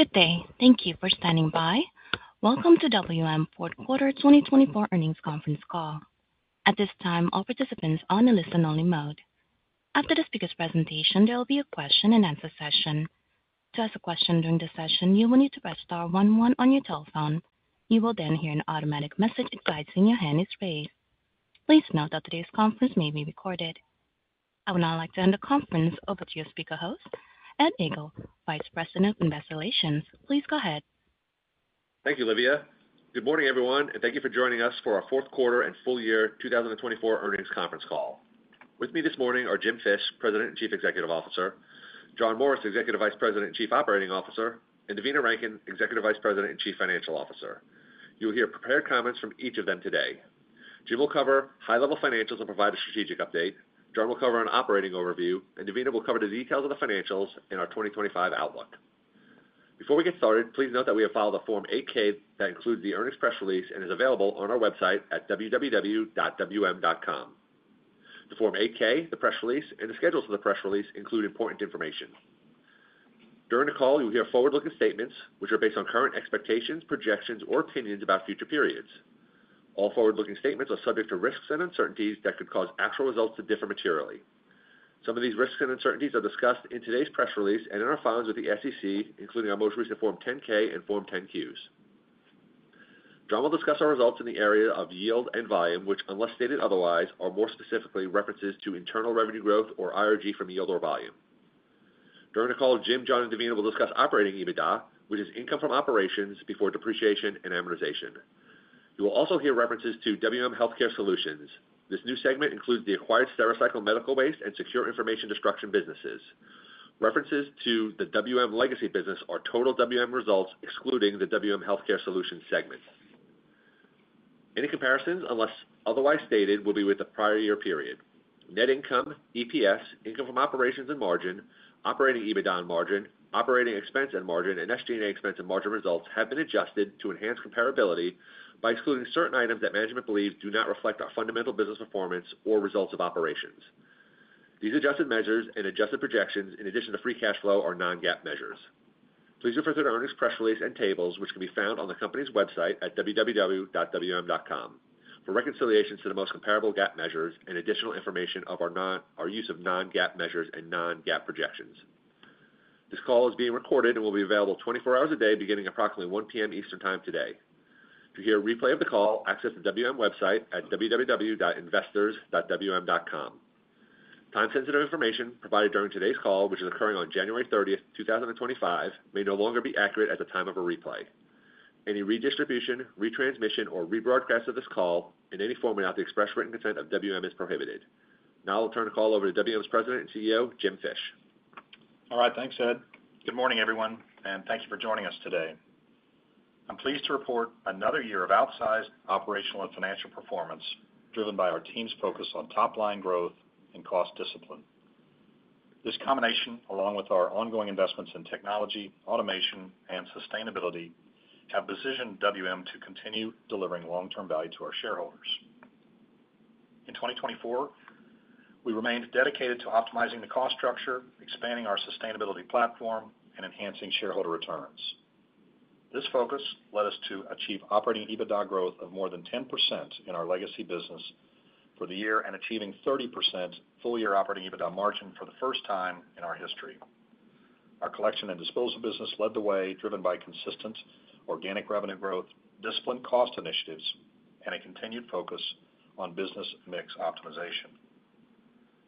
Good day, thank you for standing by. Welcome to WM fourth quarter 2024 earnings conference call. At this time, all participants are on a listen-only mode. After the speaker's presentation, there will be a question-and-answer session. To ask a question during the session, you will need to press star one one on your telephone. You will then hear an automatic message confirming your hand is raised. Please note that today's conference may be recorded. I would now like to turn the conference over to your speaker host, Ed Egl, Vice President of Investor Relations. Please go ahead. Thank you, Livia. Good morning, everyone, and thank you for joining us for our Fourth Quarter and Full Year 2024 earnings conference call. With me this morning are Jim Fish, President and Chief Executive Officer. John Morris, Executive Vice President and Chief Operating Officer. And Devina Rankin, Executive Vice President and Chief Financial Officer. You will hear prepared comments from each of them today. Jim will cover high-level financials and provide a strategic update. John will cover an operating overview. And Devina will cover the details of the financials and our 2025 outlook. Before we get started, please note that we have filed a Form 8-K that includes the earnings press release and is available on our website at www.wm.com. The Form 8-K, the press release, and the schedules of the press release include important information. During the call, you will hear forward-looking statements, which are based on current expectations, projections, or opinions about future periods. All forward-looking statements are subject to risks and uncertainties that could cause actual results to differ materially. Some of these risks and uncertainties are discussed in today's press release and in our filings with the SEC, including our most recent Form 10-K and Form 10-Qs. John will discuss our results in the area of yield and volume, which, unless stated otherwise, are more specifically references to internal revenue growth or IRG from yield or volume. During the call, Jim, John, and Devina will discuss operating EBITDA, which is income from operations before depreciation and amortization. You will also hear references to WM Healthcare Solutions. This new segment includes the acquired Stericycle medical waste and secure information destruction businesses. References to the WM legacy business are total WM results, excluding the WM Healthcare Solutions segment. Any comparisons, unless otherwise stated, will be with the prior year period. Net income, EPS, income from operations and margin, operating EBITDA and margin, operating expense and margin, and SG&A expense and margin results have been adjusted to enhance comparability by excluding certain items that management believes do not reflect our fundamental business performance or results of operations. These adjusted measures and adjusted projections, in addition to free cash flow, are non-GAAP measures. Please refer to the earnings press release and tables, which can be found on the company's website at www.wm.com, for reconciliations to the most comparable GAAP measures and additional information of our use of non-GAAP measures and non-GAAP projections. This call is being recorded and will be available 24 hours a day, beginning approximately 1:00 P.M. Eastern Time today. To hear a replay of the call, access the WM website at www.investors.wm.com. Time-sensitive information provided during today's call, which is occurring on January 30th, 2025, may no longer be accurate at the time of a replay. Any redistribution, retransmission, or rebroadcast of this call in any form without the express written consent of WM is prohibited. Now I'll turn the call over to WM's President and CEO, Jim Fish. All right, thanks, Ed. Good morning, everyone, and thank you for joining us today. I'm pleased to report another year of outsized operational and financial performance driven by our team's focus on top-line growth and cost discipline. This combination, along with our ongoing investments in technology, automation, and sustainability, have positioned WM to continue delivering long-term value to our shareholders. In 2024, we remained dedicated to optimizing the cost structure, expanding our sustainability platform, and enhancing shareholder returns. This focus led us to achieve operating EBITDA growth of more than 10% in our legacy business for the year and achieving 30% full-year operating EBITDA margin for the first time in our history. Our collection and disposal business led the way, driven by consistent organic revenue growth, disciplined cost initiatives, and a continued focus on business mix optimization.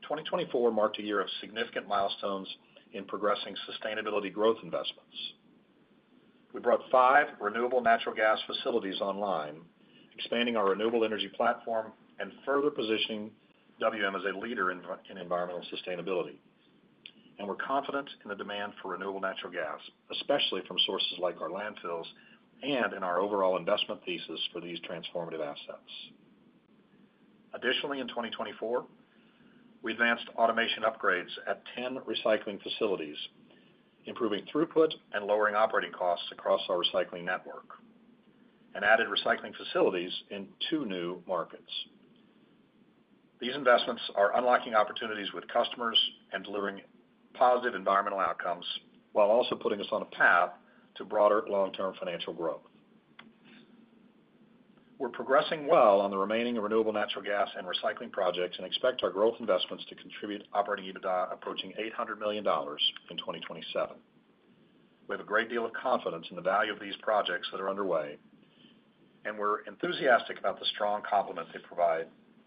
2024 marked a year of significant milestones in progressing sustainability growth investments. We brought five renewable natural gas facilities online, expanding our renewable energy platform and further positioning WM as a leader in environmental sustainability. And we're confident in the demand for renewable natural gas, especially from sources like our landfills and in our overall investment thesis for these transformative assets. Additionally, in 2024, we advanced automation upgrades at 10 recycling facilities, improving throughput and lowering operating costs across our recycling network, and added recycling facilities in two new markets. These investments are unlocking opportunities with customers and delivering positive environmental outcomes while also putting us on a path to broader long-term financial growth. We're progressing well on the remaining renewable natural gas and recycling projects and expect our growth investments to contribute operating EBITDA approaching $800 million in 2027. We have a great deal of confidence in the value of these projects that are underway, and we're enthusiastic about the strong complement they provide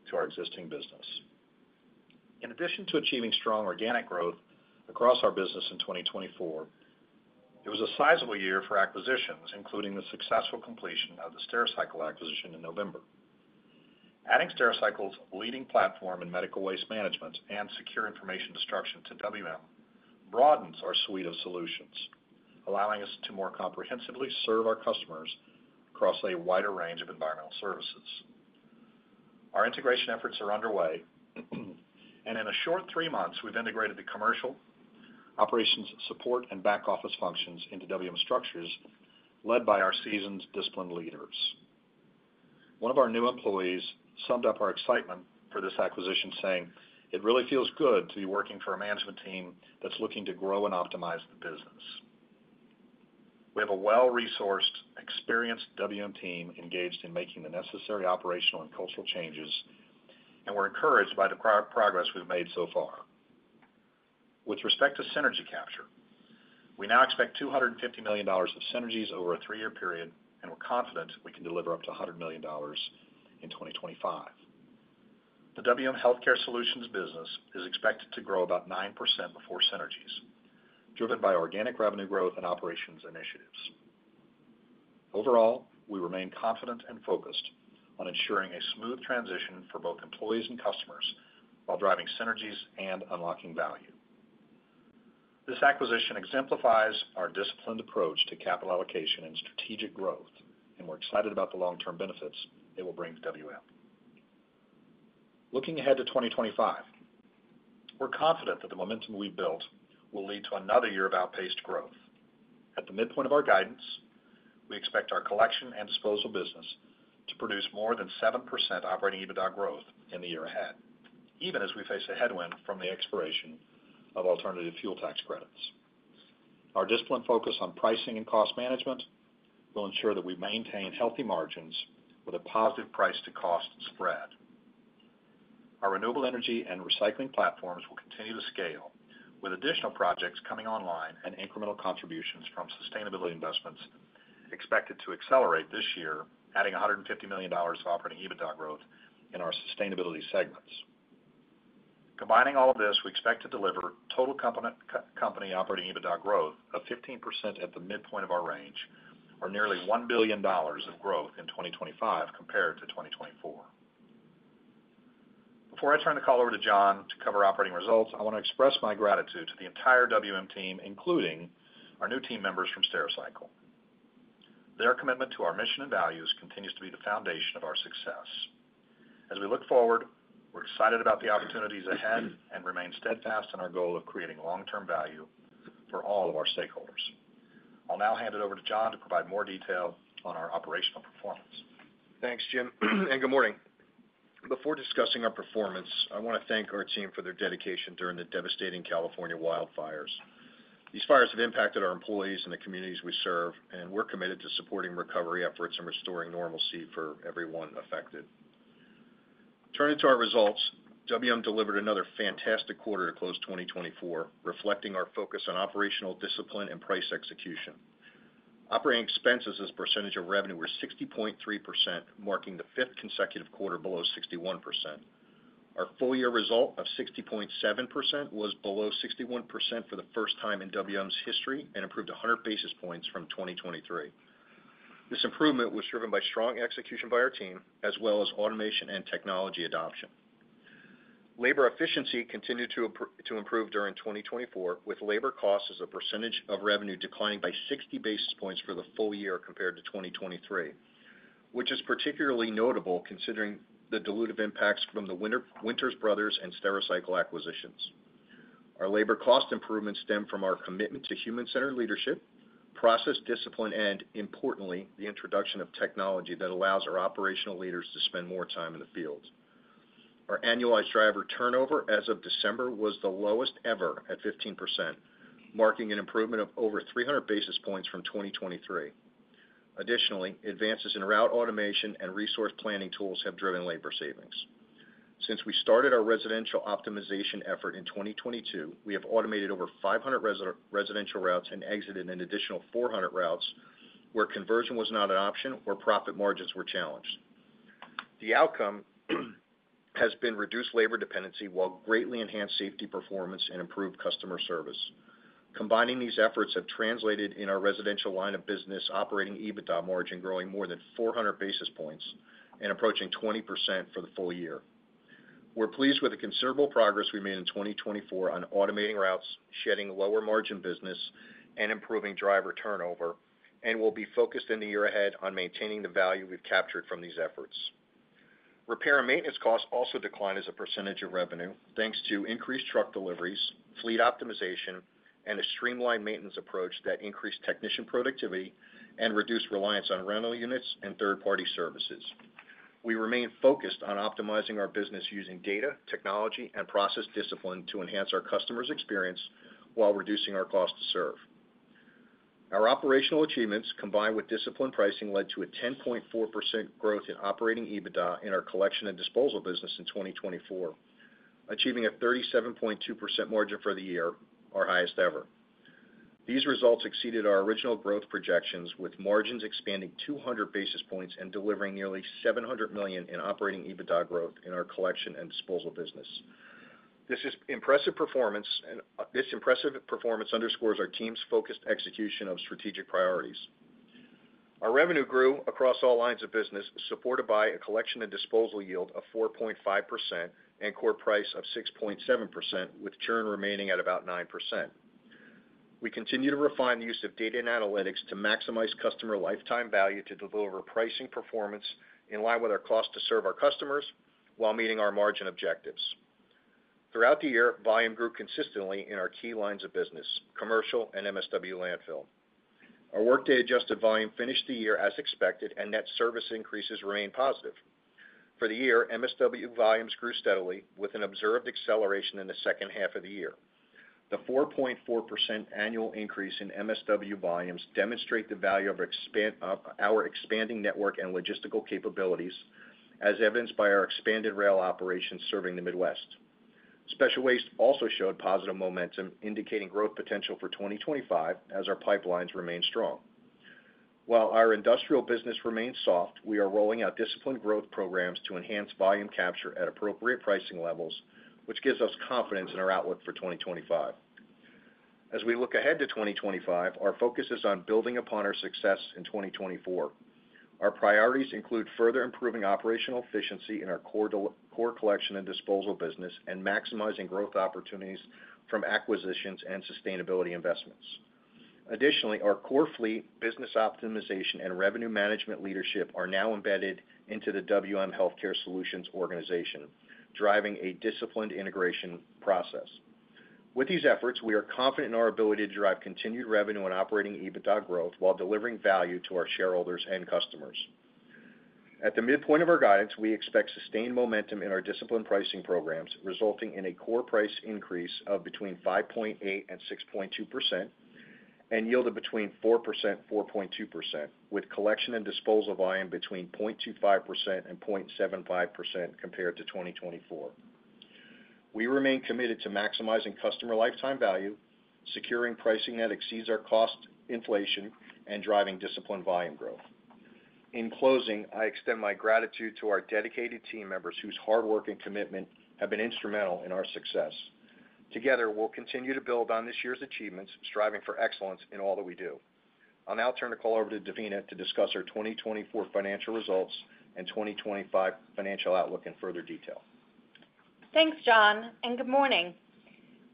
to our existing business. In addition to achieving strong organic growth across our business in 2024, it was a sizable year for acquisitions, including the successful completion of the Stericycle acquisition in November. Adding Stericycle's leading platform in medical waste management and secure information destruction to WM broadens our suite of solutions, allowing us to more comprehensively serve our customers across a wider range of environmental services. Our integration efforts are underway, and in a short three months, we've integrated the commercial, operations support, and back office functions into WM structures led by our seasoned discipline leaders. One of our new employees summed up our excitement for this acquisition, saying, "It really feels good to be working for a management team that's looking to grow and optimize the business." We have a well-resourced, experienced WM team engaged in making the necessary operational and cultural changes, and we're encouraged by the progress we've made so far. With respect to synergy capture, we now expect $250 million of synergies over a three-year period, and we're confident we can deliver up to $100 million in 2025. The WM Healthcare Solutions business is expected to grow about 9% before synergies, driven by organic revenue growth and operations initiatives. Overall, we remain confident and focused on ensuring a smooth transition for both employees and customers while driving synergies and unlocking value. This acquisition exemplifies our disciplined approach to capital allocation and strategic growth, and we're excited about the long-term benefits it will bring to WM. Looking ahead to 2025, we're confident that the momentum we've built will lead to another year of outpaced growth. At the midpoint of our guidance, we expect our collection and disposal business to produce more than 7% operating EBITDA growth in the year ahead, even as we face a headwind from the expiration of alternative fuel tax credits. Our disciplined focus on pricing and cost management will ensure that we maintain healthy margins with a positive price-to-cost spread. Our renewable energy and recycling platforms will continue to scale, with additional projects coming online and incremental contributions from sustainability investments expected to accelerate this year, adding $150 million of operating EBITDA growth in our sustainability segments. Combining all of this, we expect to deliver total company operating EBITDA growth of 15% at the midpoint of our range, or nearly $1 billion of growth in 2025 compared to 2024. Before I turn the call over to John to cover operating results, I want to express my gratitude to the entire WM team, including our new team members from Stericycle. Their commitment to our mission and values continues to be the foundation of our success. As we look forward, we're excited about the opportunities ahead and remain steadfast in our goal of creating long-term value for all of our stakeholders. I'll now hand it over to John to provide more detail on our operational performance. Thanks, Jim, and good morning. Before discussing our performance, I want to thank our team for their dedication during the devastating California wildfires. These fires have impacted our employees and the communities we serve, and we're committed to supporting recovery efforts and restoring normalcy for everyone affected. Turning to our results, WM delivered another fantastic quarter to close 2024, reflecting our focus on operational discipline and price execution. Operating expenses as a percentage of revenue were 60.3%, marking the fifth consecutive quarter below 61%. Our full-year result of 60.7% was below 61% for the first time in WM's history and improved 100 basis points from 2023. This improvement was driven by strong execution by our team, as well as automation and technology adoption. Labor efficiency continued to improve during 2024, with labor costs as a percentage of revenue declining by 60 basis points for the full year compared to 2023, which is particularly notable considering the dilutive impacts from the Winters Brothers and Stericycle acquisitions. Our labor cost improvements stem from our commitment to human-centered leadership, process discipline, and, importantly, the introduction of technology that allows our operational leaders to spend more time in the field. Our annualized driver turnover as of December was the lowest ever at 15%, marking an improvement of over 300 basis points from 2023. Additionally, advances in route automation and resource planning tools have driven labor savings. Since we started our residential optimization effort in 2022, we have automated over 500 residential routes and exited an additional 400 routes where conversion was not an option or profit margins were challenged. The outcome has been reduced labor dependency while greatly enhanced safety performance and improved customer service. Combining these efforts have translated in our residential line of business operating EBITDA margin growing more than 400 basis points and approaching 20% for the full year. We're pleased with the considerable progress we made in 2024 on automating routes, shedding lower margin business, and improving driver turnover, and we'll be focused in the year ahead on maintaining the value we've captured from these efforts. Repair and maintenance costs also declined as a percentage of revenue, thanks to increased truck deliveries, fleet optimization, and a streamlined maintenance approach that increased technician productivity and reduced reliance on rental units and third-party services. We remain focused on optimizing our business using data, technology, and process discipline to enhance our customer's experience while reducing our cost to serve. Our operational achievements, combined with disciplined pricing, led to a 10.4% growth in operating EBITDA in our collection and disposal business in 2024, achieving a 37.2% margin for the year, our highest ever. These results exceeded our original growth projections, with margins expanding 200 basis points and delivering nearly $700 million in operating EBITDA growth in our collection and disposal business. This impressive performance underscores our team's focused execution of strategic priorities. Our revenue grew across all lines of business, supported by a collection and disposal yield of 4.5% and core price of 6.7%, with churn remaining at about 9%. We continue to refine the use of data and analytics to maximize customer lifetime value to deliver pricing performance in line with our cost to serve our customers while meeting our margin objectives. Throughout the year, volume grew consistently in our key lines of business, Commercial and MSW landfill. Our workday adjusted volume finished the year as expected, and net service increases remained positive. For the year, MSW volumes grew steadily, with an observed acceleration in the second half of the year. The 4.4% annual increase in MSW volumes demonstrates the value of our expanding network and logistical capabilities, as evidenced by our expanded rail operations serving the Midwest. Special waste also showed positive momentum, indicating growth potential for 2025 as our pipelines remain strong. While our industrial business remains soft, we are rolling out disciplined growth programs to enhance volume capture at appropriate pricing levels, which gives us confidence in our outlook for 2025. As we look ahead to 2025, our focus is on building upon our success in 2024. Our priorities include further improving operational efficiency in our core collection and disposal business and maximizing growth opportunities from acquisitions and sustainability investments. Additionally, our core fleet, business optimization, and revenue management leadership are now embedded into the WM Healthcare Solutions organization, driving a disciplined integration process. With these efforts, we are confident in our ability to drive continued revenue and operating EBITDA growth while delivering value to our shareholders and customers. At the midpoint of our guidance, we expect sustained momentum in our disciplined pricing programs, resulting in a core price increase of between 5.8% and 6.2% and yield of between 4% and 4.2%, with collection and disposal volume between 0.25% and 0.75% compared to 2024. We remain committed to maximizing customer lifetime value, securing pricing that exceeds our cost inflation, and driving disciplined volume growth. In closing, I extend my gratitude to our dedicated team members whose hard work and commitment have been instrumental in our success. Together, we'll continue to build on this year's achievements, striving for excellence in all that we do. I'll now turn the call over to Devina to discuss our 2024 financial results and 2025 financial outlook in further detail. Thanks, John, and good morning.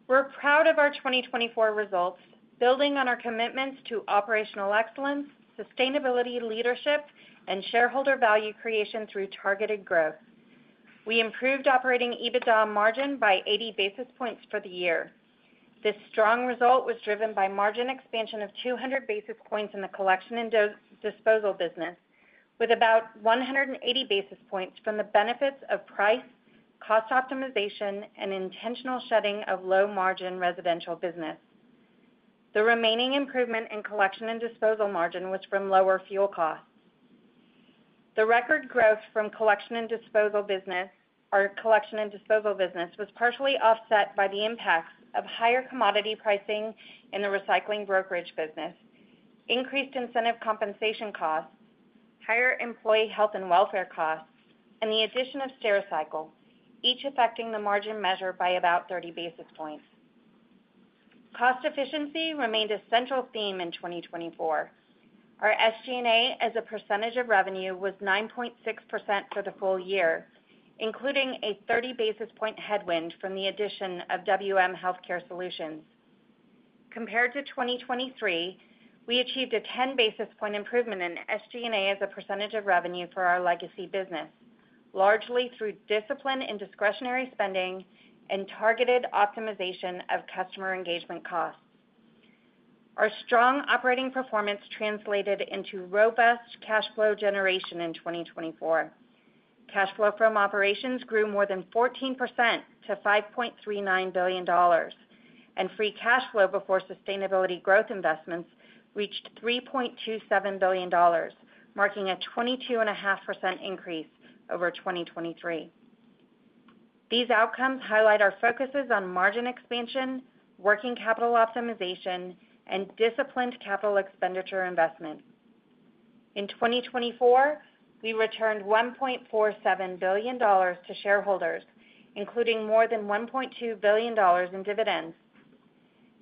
We're proud of our 2024 results, building on our commitments to operational excellence, sustainability leadership, and shareholder value creation through targeted growth. We improved operating EBITDA margin by 80 basis points for the year. This strong result was driven by margin expansion of 200 basis points in the collection and disposal business, with about 180 basis points from the benefits of price, cost optimization, and intentional shedding of low-margin residential business. The remaining improvement in collection and disposal margin was from lower fuel costs. The record growth from collection and disposal business, our collection and disposal business, was partially offset by the impacts of higher commodity pricing in the recycling brokerage business, increased incentive compensation costs, higher employee health and welfare costs, and the addition of Stericycle, each affecting the margin measure by about 30 basis points. Cost efficiency remained a central theme in 2024. Our SG&A as a percentage of revenue was 9.6% for the full year, including a 30-basis-point headwind from the addition of WM Healthcare Solutions. Compared to 2023, we achieved a 10-basis-point improvement in SG&A as a percentage of revenue for our legacy business, largely through discipline in discretionary spending and targeted optimization of customer engagement costs. Our strong operating performance translated into robust cash flow generation in 2024. Cash flow from operations grew more than 14% to $5.39 billion, and free cash flow before sustainability growth investments reached $3.27 billion, marking a 22.5% increase over 2023. These outcomes highlight our focuses on margin expansion, working capital optimization, and disciplined capital expenditure investment. In 2024, we returned $1.47 billion to shareholders, including more than $1.2 billion in dividends.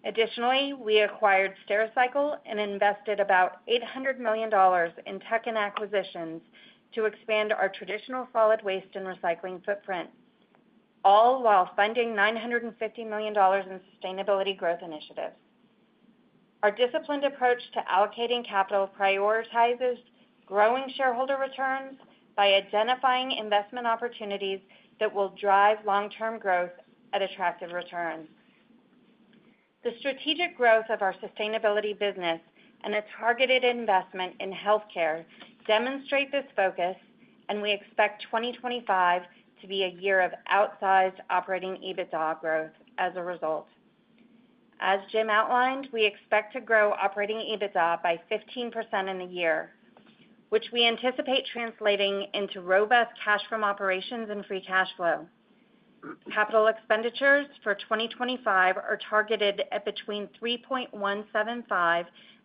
Additionally, we acquired Stericycle and invested about $800 million in tech and acquisitions to expand our traditional solid waste and recycling footprint, all while funding $950 million in sustainability growth initiatives. Our disciplined approach to allocating capital prioritizes growing shareholder returns by identifying investment opportunities that will drive long-term growth at attractive returns. The strategic growth of our sustainability business and a targeted investment in healthcare demonstrate this focus, and we expect 2025 to be a year of outsized operating EBITDA growth as a result. As Jim outlined, we expect to grow operating EBITDA by 15% in the year, which we anticipate translating into robust cash from operations and free cash flow. Capital expenditures for 2025 are targeted at between $3.175 billion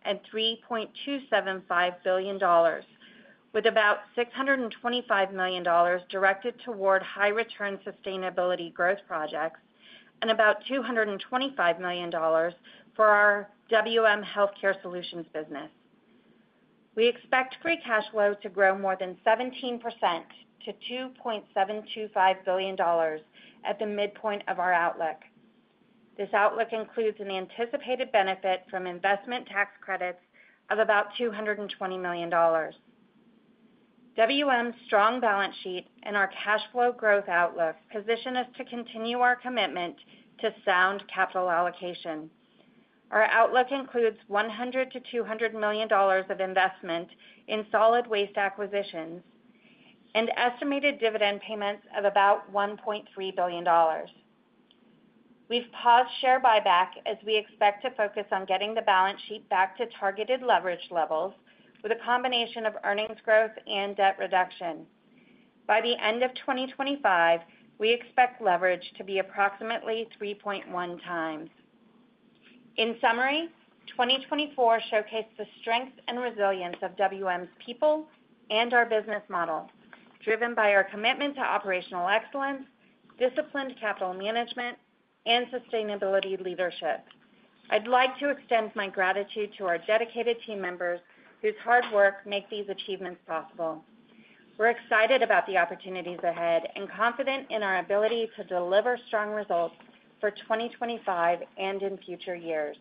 and $3.275 billion, with about $625 million directed toward high-return sustainability growth projects and about $225 million for our WM Healthcare Solutions business. We expect free cash flow to grow more than 17% to $2.725 billion at the midpoint of our outlook. This outlook includes an anticipated benefit from investment tax credits of about $220 million. WM's strong balance sheet and our cash flow growth outlook position us to continue our commitment to sound capital allocation. Our outlook includes $100-$200 million of investment in solid waste acquisitions and estimated dividend payments of about $1.3 billion. We've paused share buyback as we expect to focus on getting the balance sheet back to targeted leverage levels with a combination of earnings growth and debt reduction. By the end of 2025, we expect leverage to be approximately 3.1 times. In summary, 2024 showcased the strength and resilience of WM's people and our business model, driven by our commitment to operational excellence, disciplined capital management, and sustainability leadership. I'd like to extend my gratitude to our dedicated team members whose hard work makes these achievements possible. We're excited about the opportunities ahead and confident in our ability to deliver strong results for 2025 and in future years.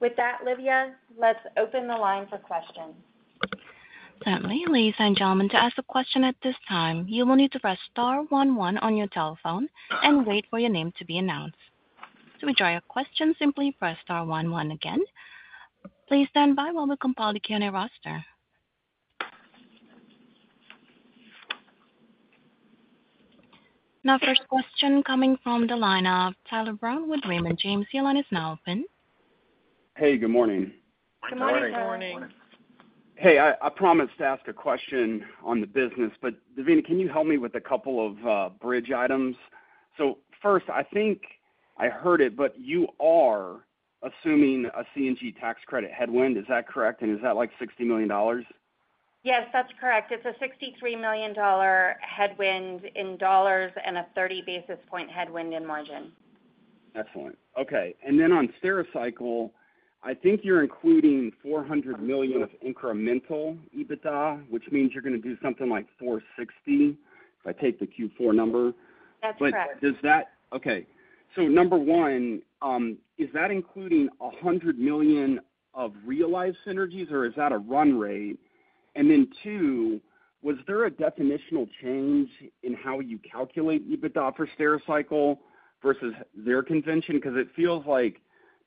With that, Livia, let's open the line for questions. Certainly, ladies and gentlemen, to ask a question at this time, you will need to press star one one on your telephone and wait for your name to be announced. To withdraw your question, simply press star one one again. Please stand by while we compile the Q&A roster. Now, first question coming from the line of Tyler Brown with Raymond James. The line is now open. Hey, good morning. Good morning. Good morning. Hey, I promised to ask a question on the business, but Devina, can you help me with a couple of bridge items? So first, I think I heard it, but you are assuming a CNG tax credit headwind. Is that correct? And is that like $60 million? Yes, that's correct. It's a $63 million headwind in dollars and a 30 basis point headwind in margin. Excellent. Okay. And then on Stericycle, I think you're including $400 million of incremental EBITDA, which means you're going to do something like $460 if I take the Q4 number. That's correct. Okay. So number one, is that including $100 million of realized synergies, or is that a run rate? And then two, was there a definitional change in how you calculate EBITDA for Stericycle versus their convention? Because it feels like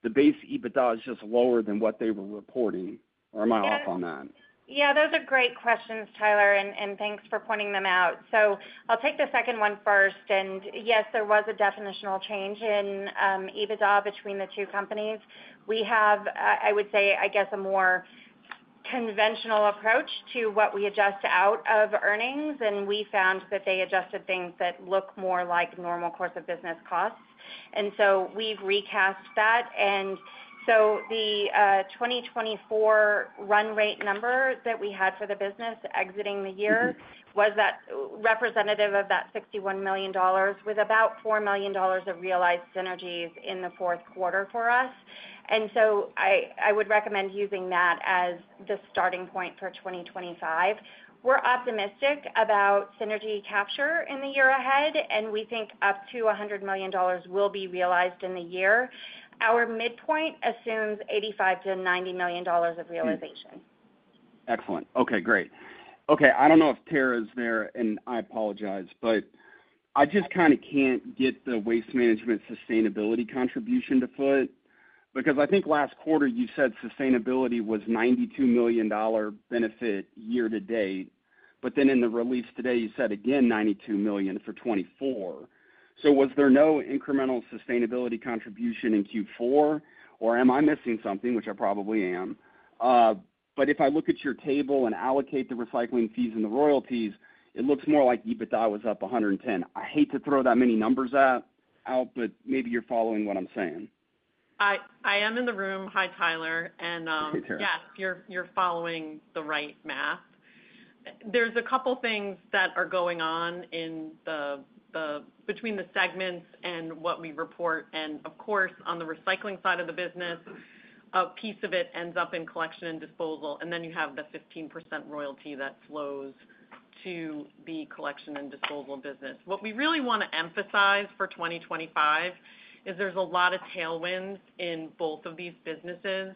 the base EBITDA is just lower than what they were reporting. Or am I off on that? Yeah, those are great questions, Tyler, and thanks for pointing them out. So I'll take the second one first. And yes, there was a definitional change in EBITDA between the two companies. We have, I would say, I guess, a more conventional approach to what we adjust out of earnings, and we found that they adjusted things that look more like normal course of business costs. And so we've recast that. And so the 2024 run rate number that we had for the business exiting the year was representative of that $61 million, with about $4 million of realized synergies in the fourth quarter for us. And so I would recommend using that as the starting point for 2025. We're optimistic about synergy capture in the year ahead, and we think up to $100 million will be realized in the year. Our midpoint assumes $85-$90 million of realization. Excellent. Okay, great. Okay, I don't know if Tara's there, and I apologize, but I just kind of can't get the waste management sustainability contribution to foot because I think last quarter you said sustainability was a $92 million benefit year to date, but then in the release today, you said again $92 million for 2024. So was there no incremental sustainability contribution in Q4, or am I missing something, which I probably am? But if I look at your table and allocate the recycling fees and the royalties, it looks more like EBITDA was up 110. I hate to throw that many numbers out, but maybe you're following what I'm saying. I am in the room. Hi, Tyler. Hey, Tara. Yes, you're following the right math. There's a couple of things that are going on between the segments and what we report. Of course, on the recycling side of the business, a piece of it ends up in collection and disposal, and then you have the 15% royalty that flows to the collection and disposal business. What we really want to emphasize for 2025 is there's a lot of tailwinds in both of these businesses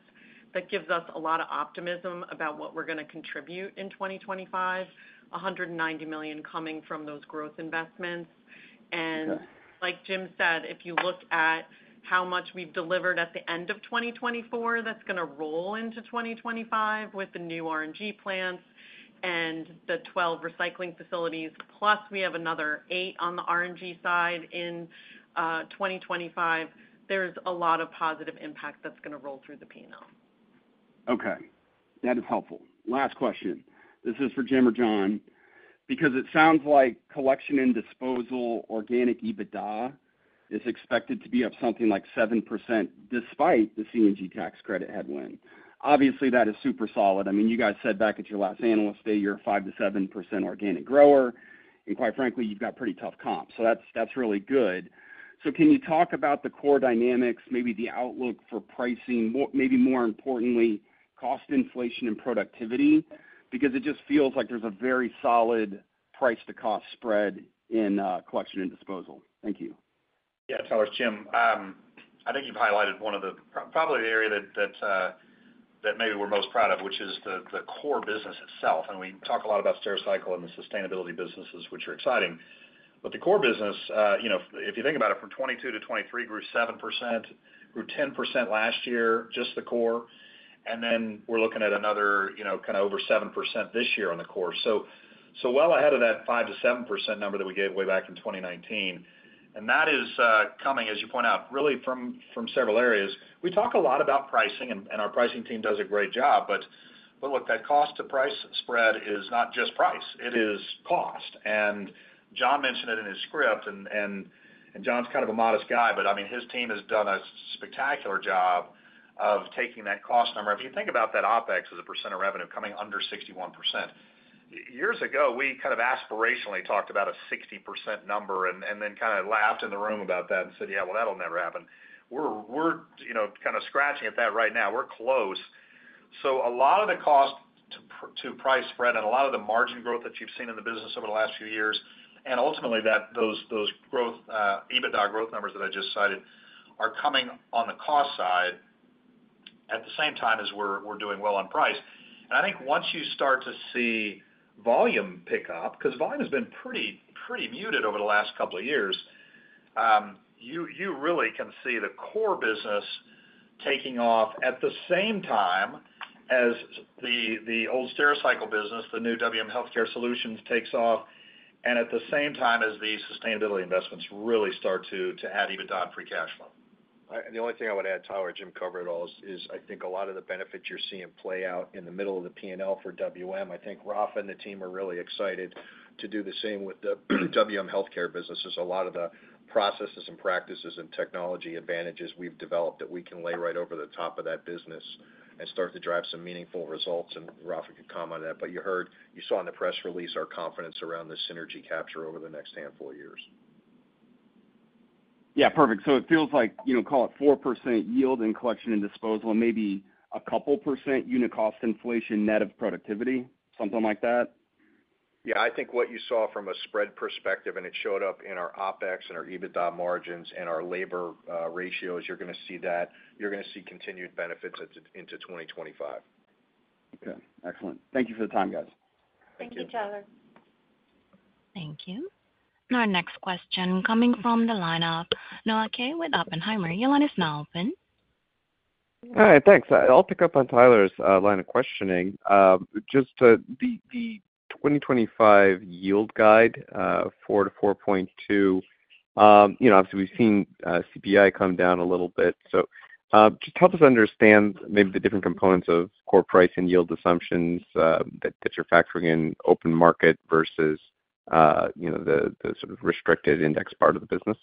that gives us a lot of optimism about what we're going to contribute in 2025, $190 million coming from those growth investments. Like Jim said, if you look at how much we've delivered at the end of 2024 that's going to roll into 2025 with the new RNG plants and the 12 recycling facilities, plus we have another eight on the RNG side in 2025, there's a lot of positive impact that's going to roll through the P&L. Okay. That is helpful. Last question. This is for Jim or John because it sounds like collection and disposal organic EBITDA is expected to be up something like 7% despite the CNG tax credit headwind. Obviously, that is super solid. I mean, you guys said back at your last analyst day you're a 5%-7% organic grower, and quite frankly, you've got pretty tough comp. So that's really good. So can you talk about the core dynamics, maybe the outlook for pricing, maybe more importantly, cost inflation and productivity? Because it just feels like there's a very solid price-to-cost spread in collection and disposal. Thank you. Yeah, Tyler, it's Jim. I think you've highlighted one of the probably the area that maybe we're most proud of, which is the core business itself. And we talk a lot about Stericycle and the sustainability businesses, which are exciting. But the core business, if you think about it, from 2022 to 2023, grew 7%, grew 10% last year, just the core. And then we're looking at another kind of over 7% this year on the core. So well ahead of that 5%-7% number that we gave way back in 2019. And that is coming, as you point out, really from several areas. We talk a lot about pricing, and our pricing team does a great job. But look, that cost-to-price spread is not just price. It is cost. And John mentioned it in his script, and John's kind of a modest guy, but I mean, his team has done a spectacular job of taking that cost number. If you think about that OpEx as a percent of revenue coming under 61%, years ago, we kind of aspirationally talked about a 60% number and then kind of laughed in the room about that and said, "Yeah, well, that'll never happen." We're kind of scratching at that right now. We're close. So a lot of the cost-to-price spread and a lot of the margin growth that you've seen in the business over the last few years, and ultimately those EBITDA growth numbers that I just cited, are coming on the cost side at the same time as we're doing well on price. I think once you start to see volume pick up, because volume has been pretty muted over the last couple of years, you really can see the core business taking off at the same time as the old Stericycle business, the new WM Healthcare Solutions takes off, and at the same time as the sustainability investments really start to add EBITDA and free cash flow. The only thing I would add, Tyler, Jim covered it all, is I think a lot of the benefits you're seeing play out in the middle of the P&L for WM. I think Rafa and the team are really excited to do the same with the WM Healthcare businesses. A lot of the processes and practices and technology advantages we've developed that we can lay right over the top of that business and start to drive some meaningful results. And Rafa could comment on that. But you saw in the press release our confidence around the synergy capture over the next handful of years. Yeah, perfect. So it feels like call it 4% yield in collection and disposal and maybe a couple% unit cost inflation net of productivity, something like that. Yeah, I think what you saw from a spread perspective, and it showed up in our OPEX and our EBITDA margins and our labor ratios, you're going to see that. You're going to see continued benefits into 2025. Okay. Excellent. Thank you for the time, guys. Thank you, Tyler. Thank you. And our next question coming from the line of Noah Kaye with Oppenheimer. You'll let us now open. All right, thanks. I'll pick up on Tyler's line of questioning. Just the 2025 yield guide, 4%-4.2%. Obviously, we've seen CPI come down a little bit. So just help us understand maybe the different components of core price and yield assumptions that you're factoring in open market versus the sort of restricted index part of the business.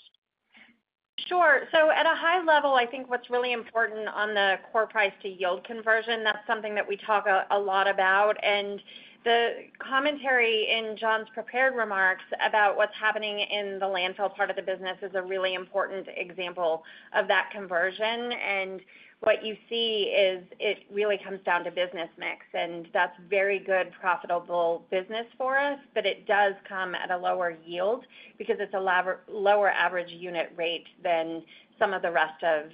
Sure, so at a high level, I think what's really important on the core price to yield conversion, that's something that we talk a lot about, and the commentary in John's prepared remarks about what's happening in the landfill part of the business is a really important example of that conversion, and what you see is it really comes down to business mix, and that's very good, profitable business for us, but it does come at a lower yield because it's a lower average unit rate than some of the rest of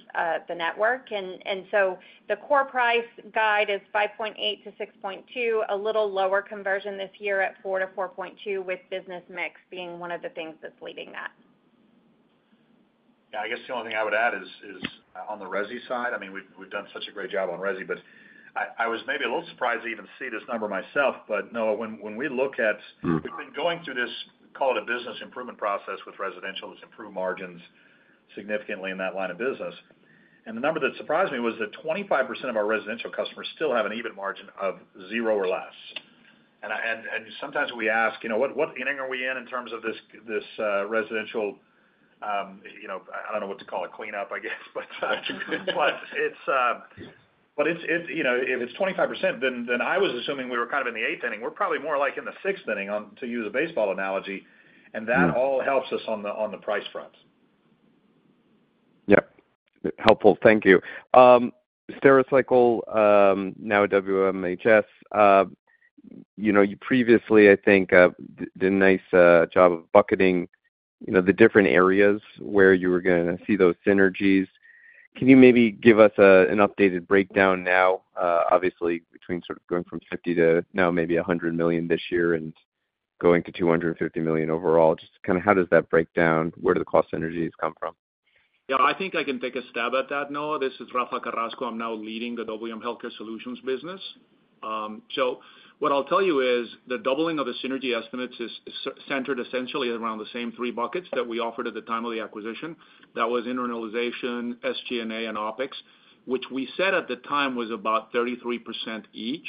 the network, and so the core price guide is 5.8%-6.2%, a little lower conversion this year at 4%-4.2%, with business mix being one of the things that's leading that. Yeah, I guess the only thing I would add is on the resi side. I mean, we've done such a great job on resi, but I was maybe a little surprised to even see this number myself. But Noah, when we look at we've been going through this, call it a business improvement process with residential. It's improved margins significantly in that line of business. And the number that surprised me was that 25% of our residential customers still have an EBIT margin of zero or less. And sometimes we ask, you know what inning are we in in terms of this residential? I don't know what to call it, cleanup, I guess. But if it's 25%, then I was assuming we were kind of in the eighth inning. We're probably more like in the sixth inning, to use a baseball analogy. That all helps us on the price front. Yep. Helpful. Thank you. Stericycle, now WMHS. You previously, I think, did a nice job of bucketing the different areas where you were going to see those synergies. Can you maybe give us an updated breakdown now, obviously, between sort of going from $50 million to now maybe $100 million this year and going to $250 million overall? Just kind of how does that break down? Where do the cost synergies come from? Yeah, I think I can take a stab at that, Noah. This is Rafa Carrasco. I'm now leading the WM Healthcare Solutions business. So what I'll tell you is the doubling of the synergy estimates is centered essentially around the same three buckets that we offered at the time of the acquisition. That was internalization, SG&A, and OpEx, which we said at the time was about 33% each.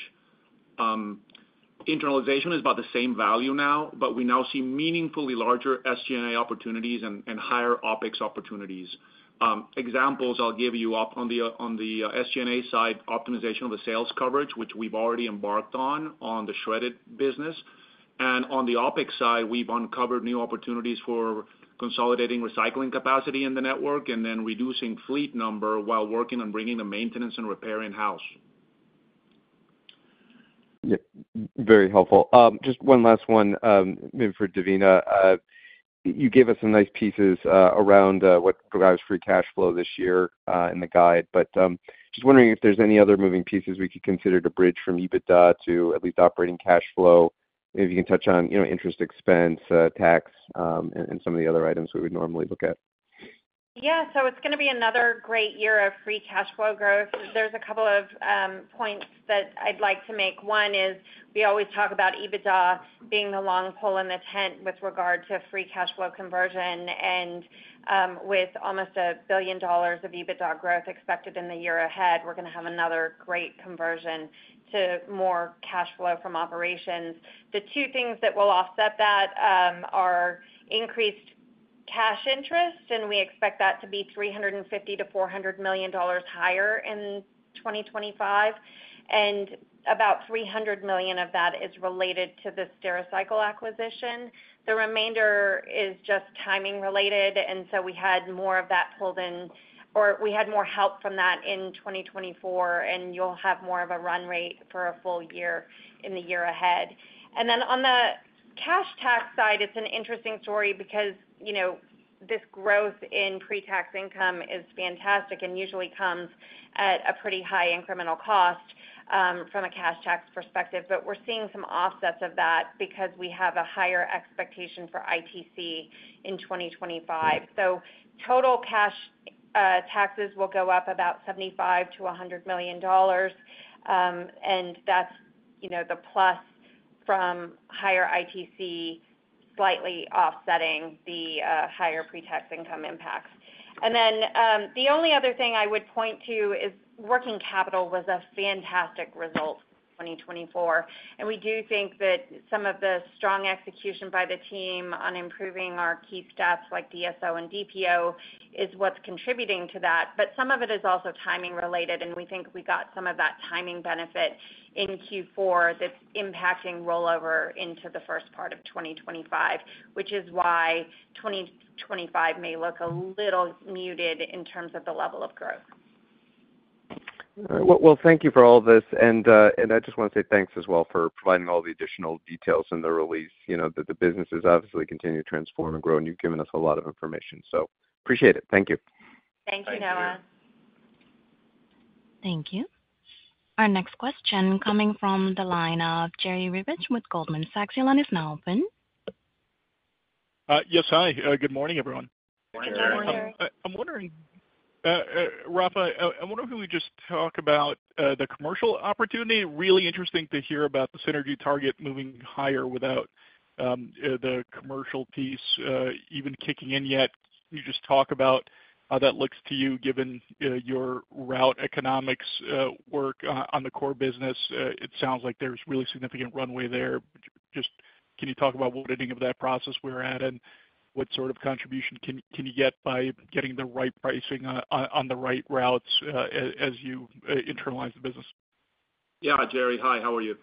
Internalization is about the same value now, but we now see meaningfully larger SG&A opportunities and higher OpEx opportunities. Examples I'll give you on the SG&A side, optimization of the sales coverage, which we've already embarked on on the Shred-it business. And on the OpEx side, we've uncovered new opportunities for consolidating recycling capacity in the network and then reducing fleet number while working on bringing the maintenance and repair in-house. Very helpful. Just one last one, maybe for Devina. You gave us some nice pieces around what drives free cash flow this year in the guide, but just wondering if there's any other moving pieces we could consider to bridge from EBITDA to at least operating cash flow. Maybe you can touch on interest expense, tax, and some of the other items we would normally look at. Yeah, so it's going to be another great year of free cash flow growth. There's a couple of points that I'd like to make. One is we always talk about EBITDA being the long pole in the tent with regard to free cash flow conversion. And with almost $1 billion of EBITDA growth expected in the year ahead, we're going to have another great conversion to more cash flow from operations. The two things that will offset that are increased cash interest, and we expect that to be $350 million-$400 million higher in 2025. And about $300 million of that is related to the Stericycle acquisition. The remainder is just timing related. And so we had more of that pulled in, or we had more help from that in 2024, and you'll have more of a run rate for a full year in the year ahead. And then on the cash tax side, it's an interesting story because this growth in pre-tax income is fantastic and usually comes at a pretty high incremental cost from a cash tax perspective. But we're seeing some offsets of that because we have a higher expectation for ITC in 2025. So total cash taxes will go up about $75 million-$100 million. And that's the plus from higher ITC slightly offsetting the higher pre-tax income impacts. And then the only other thing I would point to is working capital was a fantastic result in 2024. And we do think that some of the strong execution by the team on improving our key stats like DSO and DPO is what's contributing to that. But some of it is also timing related, and we think we got some of that timing benefit in Q4 that's impacting rollover into the first part of 2025, which is why 2025 may look a little muted in terms of the level of growth. All right. Well, thank you for all of this. And I just want to say thanks as well for providing all the additional details in the release. The business has obviously continued to transform and grow, and you've given us a lot of information. So appreciate it. Thank you. Thank you, Noah. Thank you. Thank you. Our next question coming from the line of Jerry Revich with Goldman Sachs. Your line is now open. Yes, hi. Good morning, everyone. Good morning. I'm wondering, Rafa, I wonder if we just talk about the commercial opportunity. Really interesting to hear about the synergy target moving higher without the commercial piece even kicking in yet. You just talk about how that looks to you given your route economics work on the core business. It sounds like there's really significant runway there. Just can you talk about what ending of that process we're at and what sort of contribution can you get by getting the right pricing on the right routes as you internalize the business? Yeah, Jerry, hi. How are you?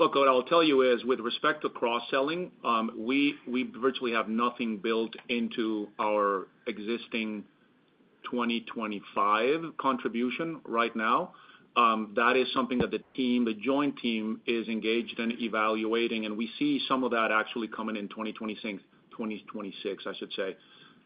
Look, what I'll tell you is with respect to cross-selling, we virtually have nothing built into our existing 2025 contribution right now. That is something that the team, the joint team, is engaged in evaluating, and we see some of that actually coming in 2026, I should say.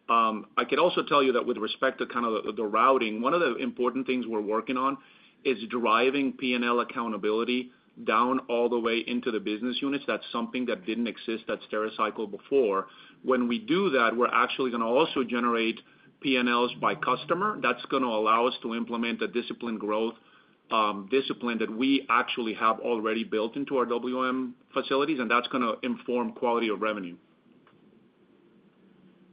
I could also tell you that with respect to kind of the routing, one of the important things we're working on is driving P&L accountability down all the way into the business units. That's something that didn't exist at Stericycle before. When we do that, we're actually going to also generate P&Ls by customer. That's going to allow us to implement a discipline growth discipline that we actually have already built into our WM facilities, and that's going to inform quality of revenue.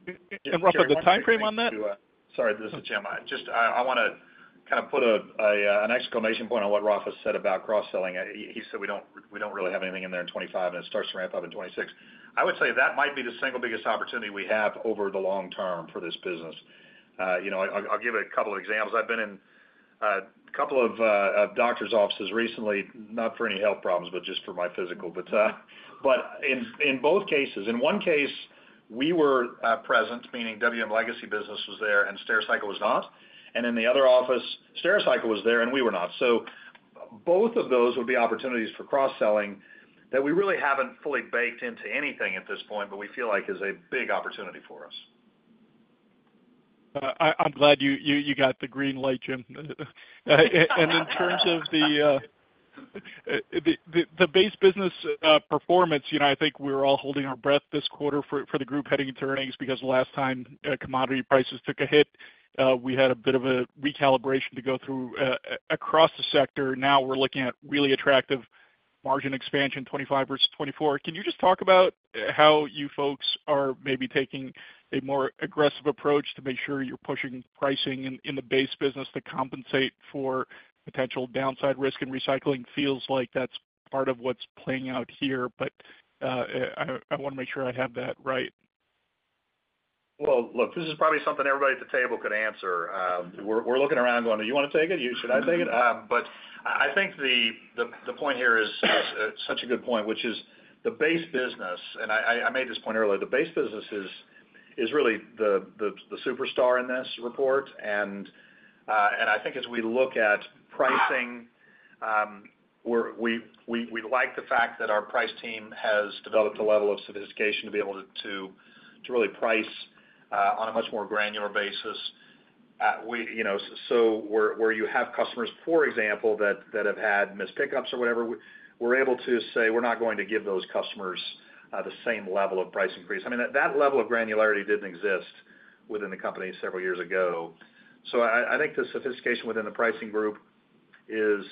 Rafa, the timeframe on that? Sorry, this is Jim. I want to kind of put an exclamation point on what Rafa said about cross-selling. He said we don't really have anything in there in 2025, and it starts to ramp up in 2026. I would say that might be the single biggest opportunity we have over the long term for this business. I'll give you a couple of examples. I've been in a couple of doctors' offices recently, not for any health problems, but just for my physical. In both cases, in one case, we were present, meaning WM legacy business was there and Stericycle was not. In the other office, Stericycle was there and we were not. So both of those would be opportunities for cross-selling that we really haven't fully baked into anything at this point, but we feel like is a big opportunity for us. I'm glad you got the green light, Jim. And in terms of the base business performance, I think we're all holding our breath this quarter for the group heading into earnings because last time commodity prices took a hit, we had a bit of a recalibration to go through across the sector. Now we're looking at really attractive margin expansion 2025 versus 2024. Can you just talk about how you folks are maybe taking a more aggressive approach to make sure you're pushing pricing in the base business to compensate for potential downside risk in recycling? Feels like that's part of what's playing out here, but I want to make sure I have that right. Well, look, this is probably something everybody at the table could answer. We're looking around going, "Do you want to take it? Should I take it?" But I think the point here is such a good point, which is the base business. And I made this point earlier. The base business is really the superstar in this report. And I think as we look at pricing, we like the fact that our price team has developed a level of sophistication to be able to really price on a much more granular basis. So where you have customers, for example, that have had missed pickups or whatever, we're able to say we're not going to give those customers the same level of price increase. I mean, that level of granularity didn't exist within the company several years ago. So I think the sophistication within the pricing group is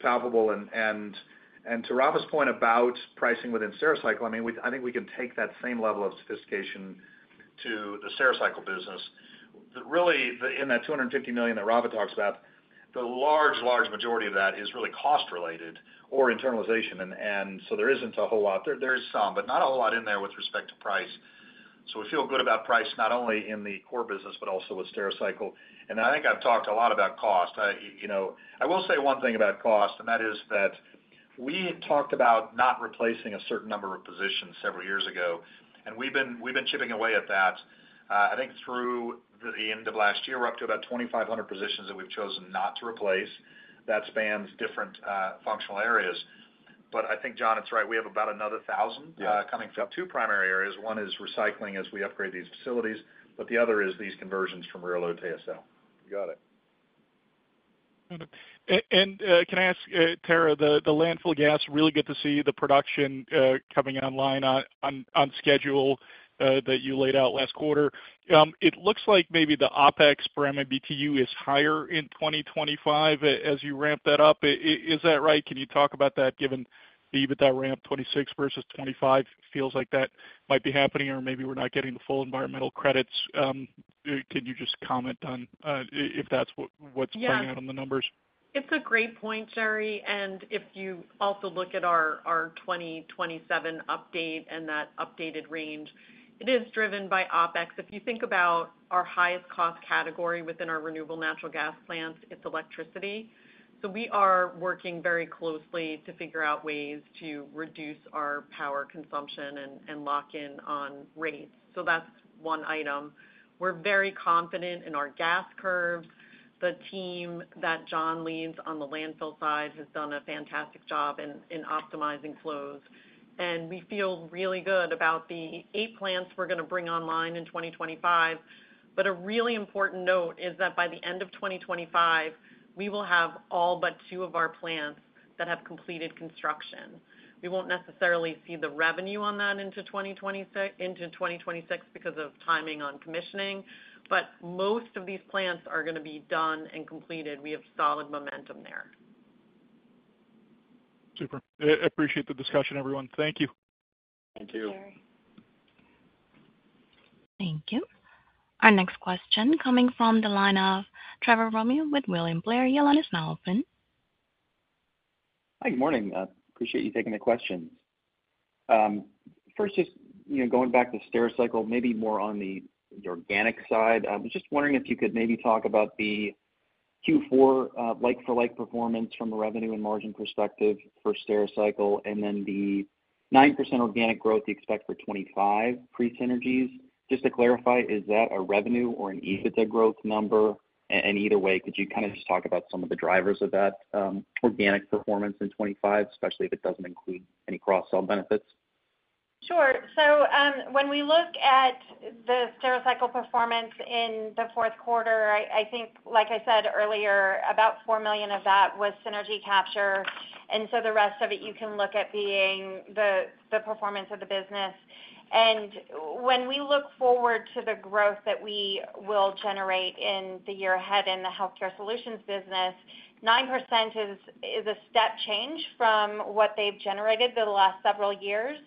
palpable. To Rafa's point about pricing within Stericycle, I mean, I think we can take that same level of sophistication to the Stericycle business. Really, in that $250 million that Rafa talks about, the large, large majority of that is really cost-related or internalization. And so there isn't a whole lot. There's some, but not a whole lot in there with respect to price. So we feel good about price not only in the core business, but also with Stericycle. And I think I've talked a lot about cost. I will say one thing about cost, and that is that we talked about not replacing a certain number of positions several years ago, and we've been chipping away at that. I think through the end of last year, we're up to about 2,500 positions that we've chosen not to replace. That spans different functional areas. But I think, John, it's right. We have about another thousand coming from two primary areas. One is recycling as we upgrade these facilities, but the other is these conversions from rear load to ASL. Got it. And can I ask, Tara, the landfill gas, really good to see the production coming online on schedule that you laid out last quarter. It looks like maybe the OpEx for MMBTU is higher in 2025 as you ramp that up. Is that right? Can you talk about that given the EBITDA ramp, 2026 versus 2025, feels like that might be happening, or maybe we're not getting the full environmental credits? Can you just comment on if that's what's playing out on the numbers? Yeah. It's a great point, Jerry. And if you also look at our 2027 update and that updated range, it is driven by OpEx. If you think about our highest cost category within our renewable natural gas plants, it's electricity. So we are working very closely to figure out ways to reduce our power consumption and lock in on rates. So that's one item. We're very confident in our gas curves. The team that John leads on the landfill side has done a fantastic job in optimizing flows. And we feel really good about the eight plants we're going to bring online in 2025. But a really important note is that by the end of 2025, we will have all but two of our plants that have completed construction. We won't necessarily see the revenue on that into 2026 because of timing on commissioning, but most of these plants are going to be done and completed. We have solid momentum there. Super. Appreciate the discussion, everyone. Thank you. Thank you. Thank you, Jerry. Thank you. Our next question coming from the line of Trevor Romeo with William Blair. Hi, good morning. Appreciate you taking the questions. First, just going back to Stericycle, maybe more on the organic side. I'm just wondering if you could maybe talk about the Q4 like-for-like performance from a revenue and margin perspective for Stericycle and then the 9% organic growth you expect for 2025 pre-synergies. Just to clarify, is that a revenue or an EBITDA growth number? And either way, could you kind of just talk about some of the drivers of that organic performance in 2025, especially if it doesn't include any cross-sell benefits? Sure. So when we look at the Stericycle performance in the fourth quarter, I think, like I said earlier, about $4 million of that was synergy capture. And so the rest of it, you can look at being the performance of the business. And when we look forward to the growth that we will generate in the year ahead in the healthcare solutions business, 9% is a step change from what they've generated the last several years.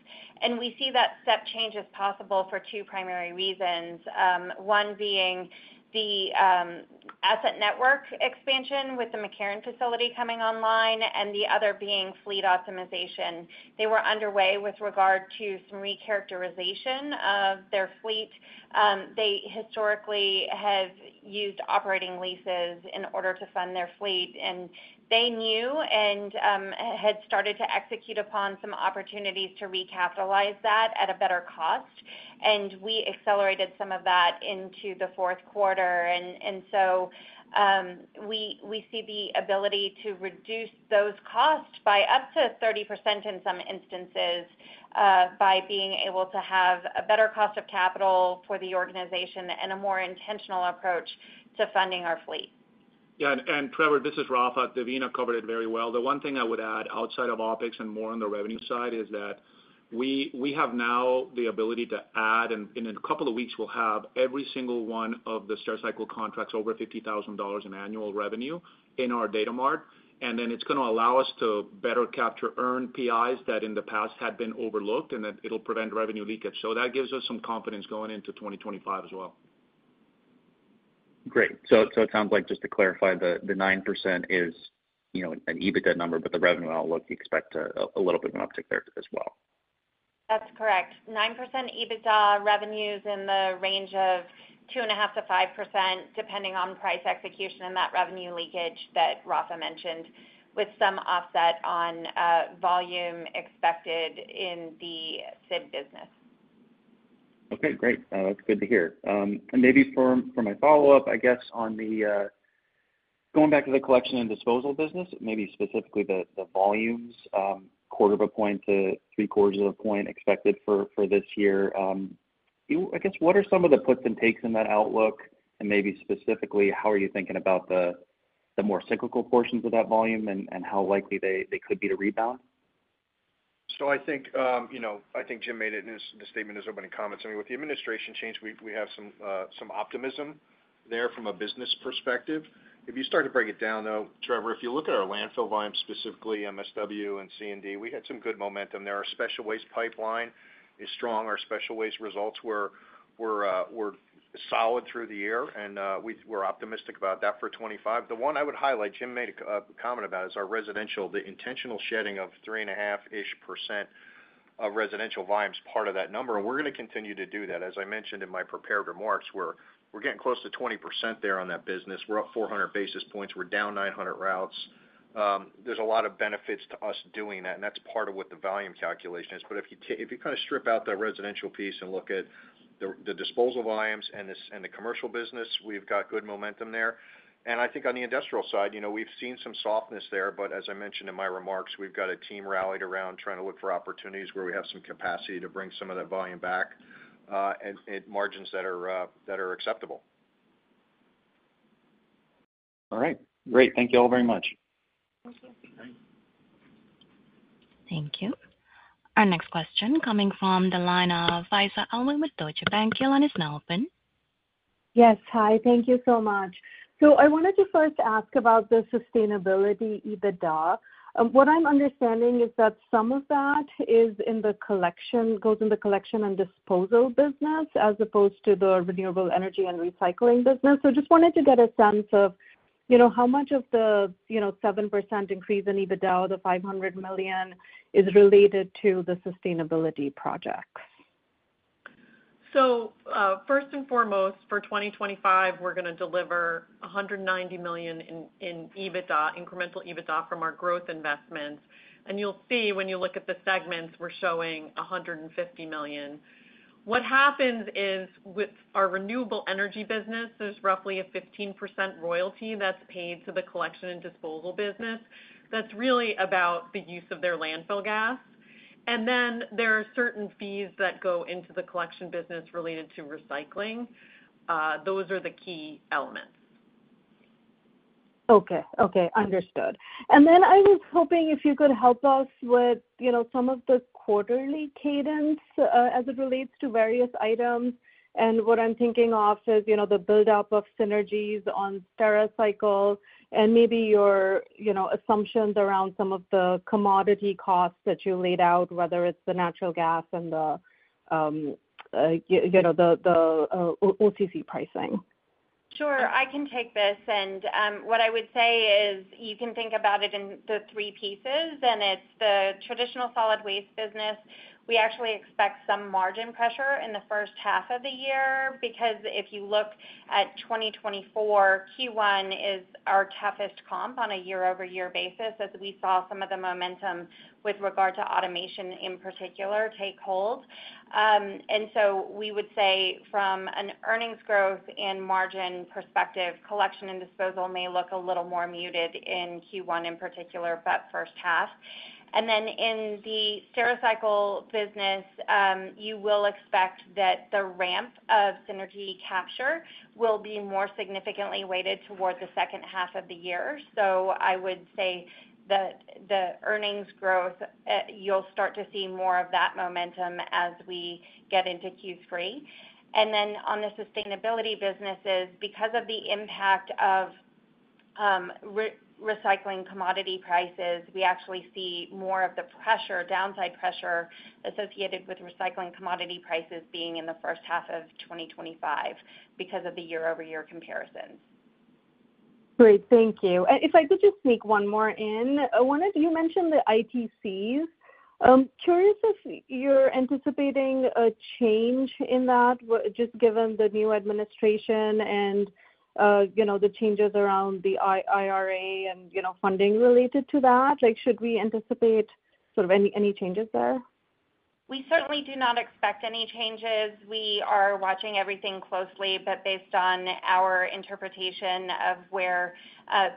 And we see that step change as possible for two primary reasons. One being the asset network expansion with the McCarran facility coming online and the other being fleet optimization. They were underway with regard to some re-characterization of their fleet. They historically have used operating leases in order to fund their fleet. And they knew and had started to execute upon some opportunities to recapitalize that at a better cost. And we accelerated some of that into the fourth quarter. And so we see the ability to reduce those costs by up to 30% in some instances by being able to have a better cost of capital for the organization and a more intentional approach to funding our fleet. Yeah, and Trevor, this is Rafa. Devina covered it very well. The one thing I would add outside of OPEX and more on the revenue side is that we have now the ability to add, and in a couple of weeks, we'll have every single one of the Stericycle contracts over $50,000 in annual revenue in our data mart. And then it's going to allow us to better capture earned PIs that in the past had been overlooked, and it'll prevent revenue leakage, so that gives us some confidence going into 2025 as well. Great. So it sounds like just to clarify, the 9% is an EBITDA number, but the revenue outlook, you expect a little bit of an uptick there as well. That's correct. 9% EBITDA revenues in the range of 2.5%-5% depending on price execution and that revenue leakage that Rafa mentioned with some offset on volume expected in the C&I business. Okay. Great. That's good to hear. And maybe for my follow-up, I guess on the going back to the collection and disposal business, maybe specifically the volumes, quarter of a point to three quarters of a point expected for this year, I guess, what are some of the puts and takes in that outlook? And maybe specifically, how are you thinking about the more cyclical portions of that volume and how likely they could be to rebound? So I think Jim made it in his statement, his opening comments. I mean, with the administration change, we have some optimism there from a business perspective. If you start to break it down, though, Trevor, if you look at our landfill volume, specifically MSW and C&D, we had some good momentum. Our special waste pipeline is strong. Our special waste results were solid through the year, and we're optimistic about that for 2025. The one I would highlight, Jim made a comment about, is our residential, the intentional shedding of 3.5-ish% of residential volume is part of that number. And we're going to continue to do that. As I mentioned in my prepared remarks, we're getting close to 20% there on that business. We're up 400 basis points. We're down 900 routes. There's a lot of benefits to us doing that, and that's part of what the volume calculation is. But if you kind of strip out the residential piece and look at the disposal volumes and the commercial business, we've got good momentum there. And I think on the industrial side, we've seen some softness there. But as I mentioned in my remarks, we've got a team rallied around trying to look for opportunities where we have some capacity to bring some of that volume back at margins that are acceptable. All right. Great. Thank you all very much. Thank you. Thank you. Our next question coming from the line of Faiza Alwy with Deutsche Bank, Your line is open. Yes. Hi. Thank you so much. So I wanted to first ask about the sustainability EBITDA. What I'm understanding is that some of that goes in the collection and disposal business as opposed to the renewable energy and recycling business. So just wanted to get a sense of how much of the 7% increase in EBITDA of the $500 million is related to the sustainability projects. So first and foremost, for 2025, we're going to deliver $190 million in incremental EBITDA from our growth investments. And you'll see when you look at the segments, we're showing $150 million. What happens is with our renewable energy business, there's roughly a 15% royalty that's paid to the collection and disposal business. That's really about the use of their landfill gas. And then there are certain fees that go into the collection business related to recycling. Those are the key elements. Okay. Okay. Understood. And then I was hoping if you could help us with some of the quarterly cadence as it relates to various items. And what I'm thinking of is the buildup of synergies on Stericycle and maybe your assumptions around some of the commodity costs that you laid out, whether it's the natural gas and the OCC pricing. Sure. I can take this. And what I would say is you can think about it in the three pieces, and it's the traditional solid waste business. We actually expect some margin pressure in the first half of the year because if you look at 2024, Q1 is our toughest comp on a year-over-year basis as we saw some of the momentum with regard to automation in particular take hold. And so we would say from an earnings growth and margin perspective, collection and disposal may look a little more muted in Q1 in particular, but first half. And then in the Stericycle business, you will expect that the ramp of synergy capture will be more significantly weighted toward the second half of the year. So I would say that the earnings growth, you'll start to see more of that momentum as we get into Q3. On the sustainability businesses, because of the impact of recycling commodity prices, we actually see more of the downside pressure associated with recycling commodity prices being in the first half of 2025 because of the year-over-year comparisons. Great. Thank you. And if I could just sneak one more in. I wanted to mention the ITCs. Curious if you're anticipating a change in that just given the new administration and the changes around the IRA and funding related to that. Should we anticipate sort of any changes there? We certainly do not expect any changes. We are watching everything closely, but based on our interpretation of where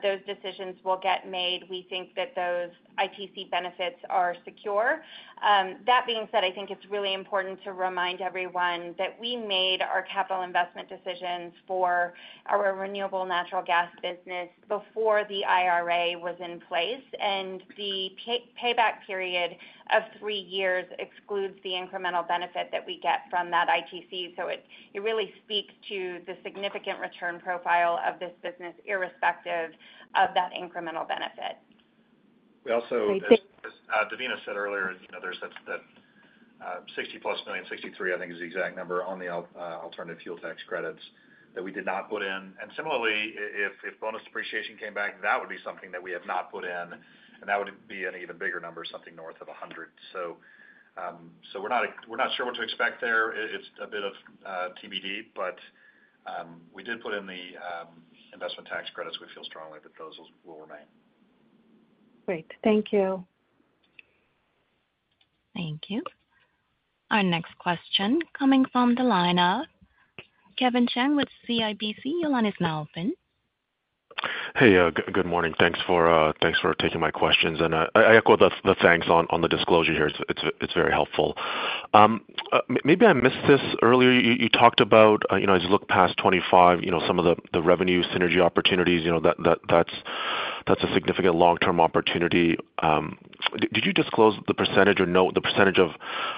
those decisions will get made, we think that those ITC benefits are secure. That being said, I think it's really important to remind everyone that we made our capital investment decisions for our renewable natural gas business before the IRA was in place. And the payback period of three years excludes the incremental benefit that we get from that ITC, so it really speaks to the significant return profile of this business irrespective of that incremental benefit. We also, as Devina said earlier, there's that $60-plus million, $63 million, I think is the exact number on the alternative fuel tax credits that we did not put in. And similarly, if bonus depreciation came back, that would be something that we have not put in. And that would be an even bigger number, something north of $100 million. So we're not sure what to expect there. It's a bit of TBD, but we did put in the investment tax credits. We feel strongly that those will remain. Great. Thank you. Thank you. Our next question coming from the line of Kevin Chiang with CIBC. Your line is open. Hey, good morning. Thanks for taking my questions. And I echo the thanks on the disclosure here. It's very helpful. Maybe I missed this earlier. You talked about, as you look past 2025, some of the revenue synergy opportunities. That's a significant long-term opportunity. Did you disclose the percentage or note the percentage of,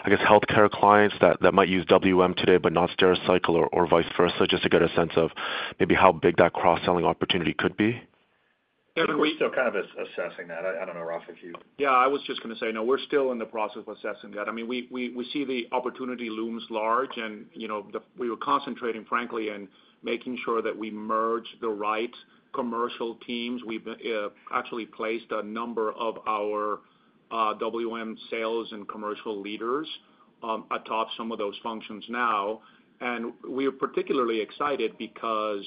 I guess, healthcare clients that might use WM today but not Stericycle or vice versa, just to get a sense of maybe how big that cross-selling opportunity could be? Kevin, were you still kind of assessing that? I don't know, Rafa, if you. Yeah, I was just going to say, no, we're still in the process of assessing that. I mean, we see the opportunity looms large, and we were concentrating, frankly, in making sure that we merge the right commercial teams. We've actually placed a number of our WM sales and commercial leaders atop some of those functions now. And we are particularly excited because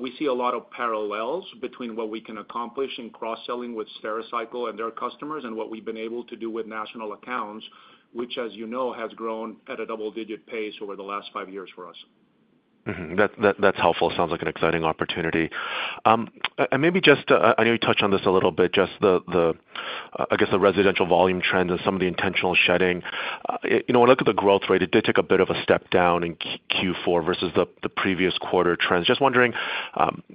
we see a lot of parallels between what we can accomplish in cross-selling with Stericycle and their customers and what we've been able to do with national accounts, which, as you know, has grown at a double-digit pace over the last five years for us. That's helpful. Sounds like an exciting opportunity. And maybe just, I know you touched on this a little bit, just the, I guess, the residential volume trends and some of the intentional shedding. When I look at the growth rate, it did take a bit of a step down in Q4 versus the previous quarter trends. Just wondering,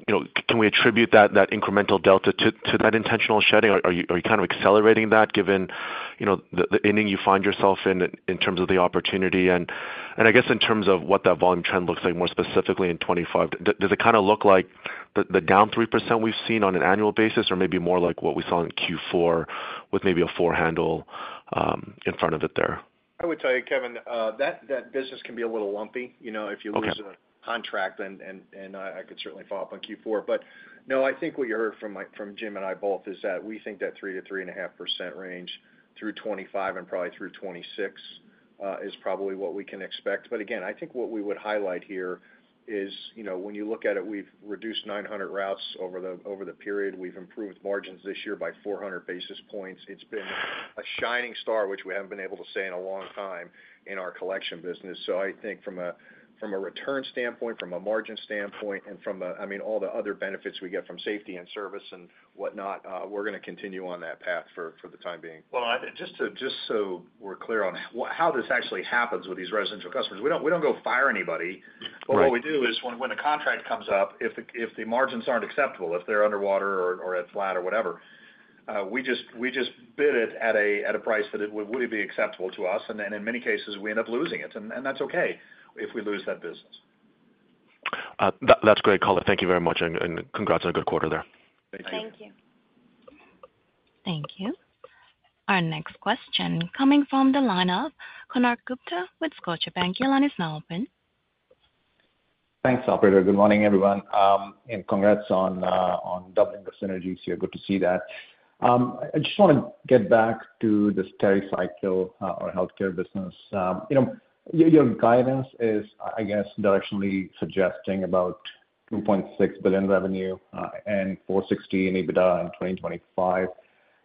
can we attribute that incremental delta to that intentional shedding? Are you kind of accelerating that given the environment you find yourself in in terms of the opportunity? And I guess in terms of what that volume trend looks like more specifically in 2025, does it kind of look like the down 3% we've seen on an annual basis or maybe more like what we saw in Q4 with maybe a four handle in front of it there? I would tell you, Kevin, that business can be a little lumpy. If you lose a contract, then I could certainly follow up on Q4. But no, I think what you heard from Jim and I both is that we think that 3%-3.5% range through 2025 and probably through 2026 is probably what we can expect. But again, I think what we would highlight here is when you look at it, we've reduced 900 routes over the period. We've improved margins this year by 400 basis points. It's been a shining star, which we haven't been able to say in a long time in our collection business. So I think from a return standpoint, from a margin standpoint, and from, I mean, all the other benefits we get from safety and service and whatnot, we're going to continue on that path for the time being. Just so we're clear on how this actually happens with these residential customers, we don't go fire anybody. But what we do is when a contract comes up, if the margins aren't acceptable, if they're underwater or at flat or whatever, we just bid it at a price that wouldn't be acceptable to us. And in many cases, we end up losing it. And that's okay if we lose that business. That's great, Color. Thank you very much and congrats on a good quarter there. Thank you. Thank you. Our next question coming from the line of Konark Gupta with Scotiabank. Thanks, Operator. Good morning, everyone. And congrats on doubling the synergies here. Good to see that. I just want to get back to the Stericycle or healthcare business. Your guidance is, I guess, directionally suggesting about $2.6 billion revenue and $460 million in EBITDA in 2025.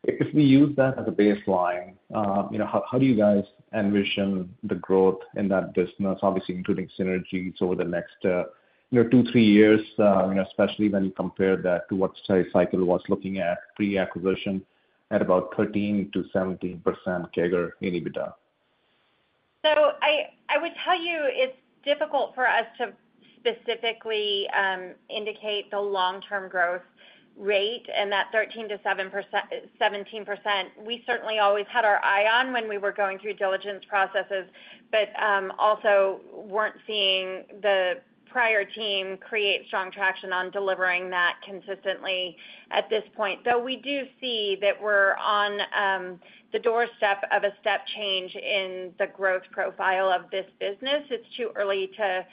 If we use that as a baseline, how do you guys envision the growth in that business, obviously including synergies over the next two, three years, especially when you compare that to what Stericycle was looking at pre-acquisition at about 13%-17% CAGR in EBITDA? I would tell you it's difficult for us to specifically indicate the long-term growth rate and that 13%-17%. We certainly always had our eye on when we were going through diligence processes, but also weren't seeing the prior team create strong traction on delivering that consistently at this point. Though we do see that we're on the doorstep of a step change in the growth profile of this business, it's too early to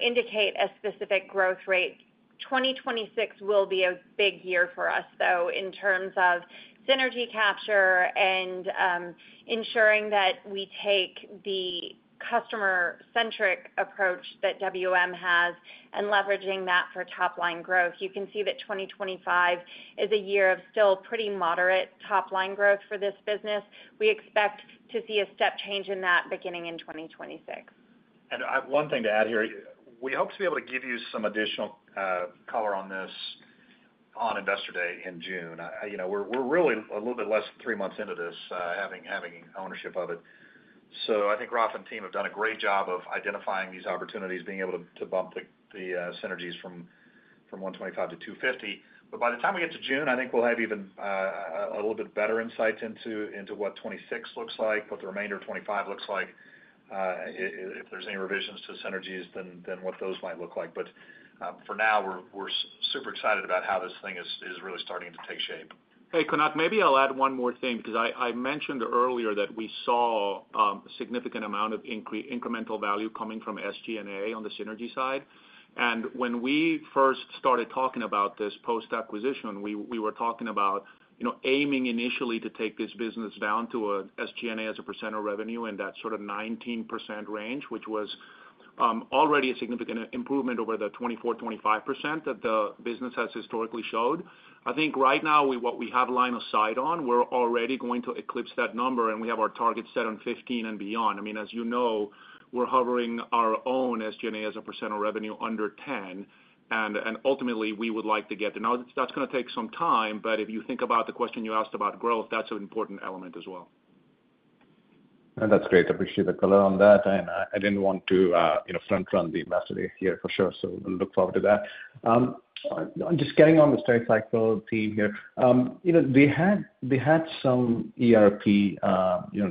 indicate a specific growth rate. 2026 will be a big year for us, though, in terms of synergy capture and ensuring that we take the customer-centric approach that WM has and leveraging that for top-line growth. You can see that 2025 is a year of still pretty moderate top-line growth for this business. We expect to see a step change in that beginning in 2026. I have one thing to add here. We hope to be able to give you some additional color on this on investor day in June. We're really a little bit less than three months into this having ownership of it. So I think Rafa and team have done a great job of identifying these opportunities, being able to bump the synergies from 125 to 250. But by the time we get to June, I think we'll have even a little bit better insight into what 2026 looks like, what the remainder of 2025 looks like, if there's any revisions to synergies, then what those might look like. But for now, we're super excited about how this thing is really starting to take shape. Hey, Konark, maybe I'll add one more thing because I mentioned earlier that we saw a significant amount of incremental value coming from SG&A on the synergy side, and when we first started talking about this post-acquisition, we were talking about aiming initially to take this business down to an SG&A as a percent of revenue in that sort of 19% range, which was already a significant improvement over the 24-25% that the business has historically showed. I think right now, what we have lined up on, we're already going to eclipse that number, and we have our target set on 15% and beyond. I mean, as you know, we're hovering our own SG&A as a percent of revenue under 10%. Ultimately, we would like to get there. Now, that's going to take some time, but if you think about the question you asked about growth, that's an important element as well. That's great. I appreciate the color on that. I didn't want to front-run the Investor Day here for sure, so we'll look forward to that. Just getting on the Stericycle team here, they had some ERP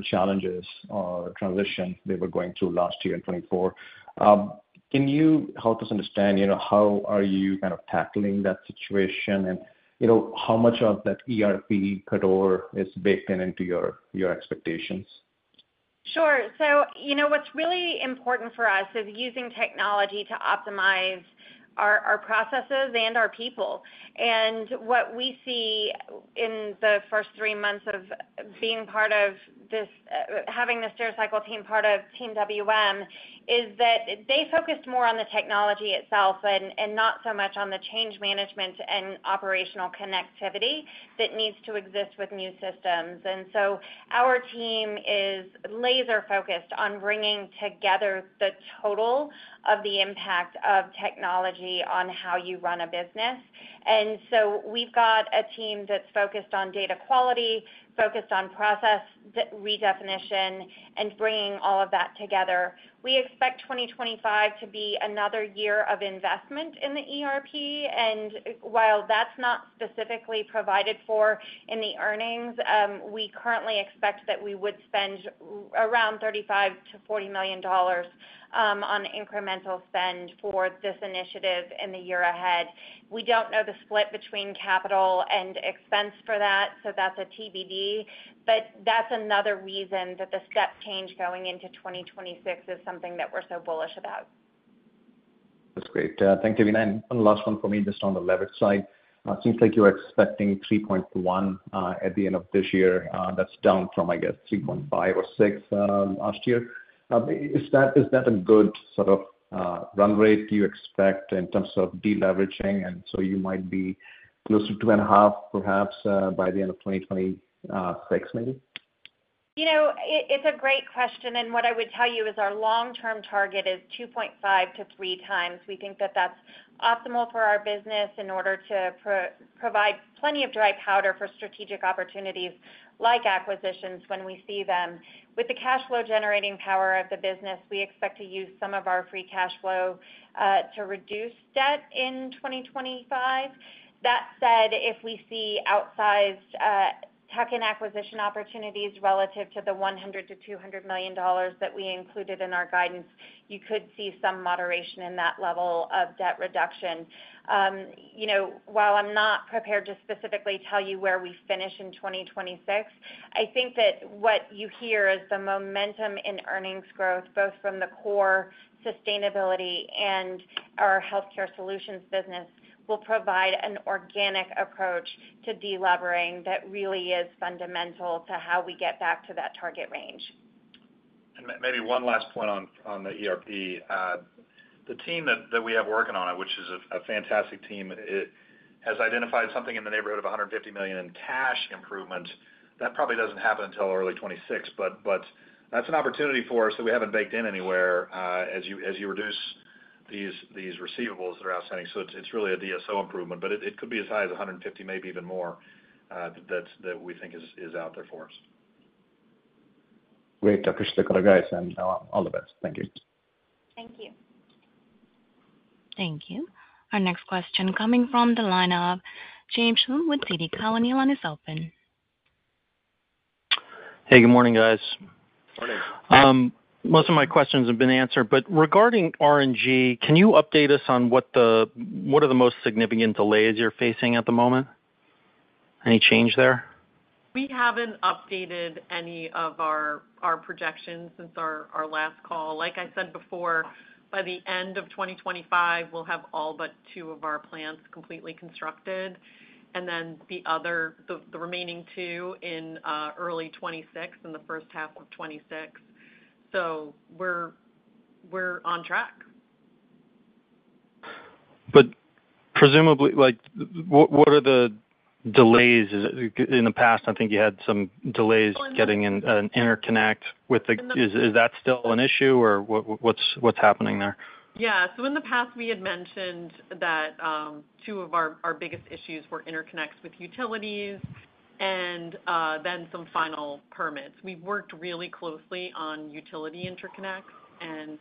challenges or transitions they were going through last year in 2024. Can you help us understand how are you kind of tackling that situation and how much of that ERP cutover is baked into your expectations? Sure. So what's really important for us is using technology to optimize our processes and our people. And what we see in the first three months of being part of this, having the Stericycle team part of Team WM, is that they focused more on the technology itself and not so much on the change management and operational connectivity that needs to exist with new systems. And so our team is laser-focused on bringing together the total of the impact of technology on how you run a business. And so we've got a team that's focused on data quality, focused on process redefinition, and bringing all of that together. We expect 2025 to be another year of investment in the ERP. While that's not specifically provided for in the earnings, we currently expect that we would spend around $35 million-$40 million on incremental spend for this initiative in the year ahead. We don't know the split between capital and expense for that, so that's a TBD. That's another reason that the step change going into 2026 is something that we're so bullish about. That's great. Thanks, Devina. And one last one for me, just on the leverage side. It seems like you're expecting 3.1 at the end of this year. That's down from, I guess, 3.5 or 6 last year. Is that a good sort of run rate you expect in terms of deleveraging? And so you might be closer to 2.5, perhaps, by the end of 2026, maybe? It's a great question, and what I would tell you is our long-term target is 2.5 times to 3 times. We think that that's optimal for our business in order to provide plenty of dry powder for strategic opportunities like acquisitions when we see them. With the cash flow generating power of the business, we expect to use some of our free cash flow to reduce debt in 2025. That said, if we see outsized tuck-in acquisition opportunities relative to the $100 million-$200 million that we included in our guidance, you could see some moderation in that level of debt reduction. While I'm not prepared to specifically tell you where we finish in 2026, I think that what you hear is the momentum in earnings growth, both from the core sustainability and our healthcare solutions business, will provide an organic approach to deleveraging that really is fundamental to how we get back to that target range. Maybe one last point on the ERP. The team that we have working on it, which is a fantastic team, has identified something in the neighborhood of $150 million in cash improvement. That probably doesn't happen until early 2026, but that's an opportunity for us that we haven't baked in anywhere as you reduce these receivables that are outstanding. So it's really a DSO improvement, but it could be as high as $150 million, maybe even more, that we think is out there for us. Great. I appreciate the color, guys. And all the best. Thank you. Thank you. Thank you. Our next question coming from the line of James Schumm with Citi and is open. Hey, good morning, guys. Morning. Most of my questions have been answered. But regarding RNG, can you update us on what are the most significant delays you're facing at the moment? Any change there? We haven't updated any of our projections since our last call. Like I said before, by the end of 2025, we'll have all but two of our plants completely constructed, and then the remaining two in early 2026 and the first half of 2026. So we're on track. But presumably, what are the delays? In the past, I think you had some delays getting an interconnect with the. Is that still an issue or what's happening there? Yeah. So in the past, we had mentioned that two of our biggest issues were interconnects with utilities and then some final permits. We've worked really closely on utility interconnects, and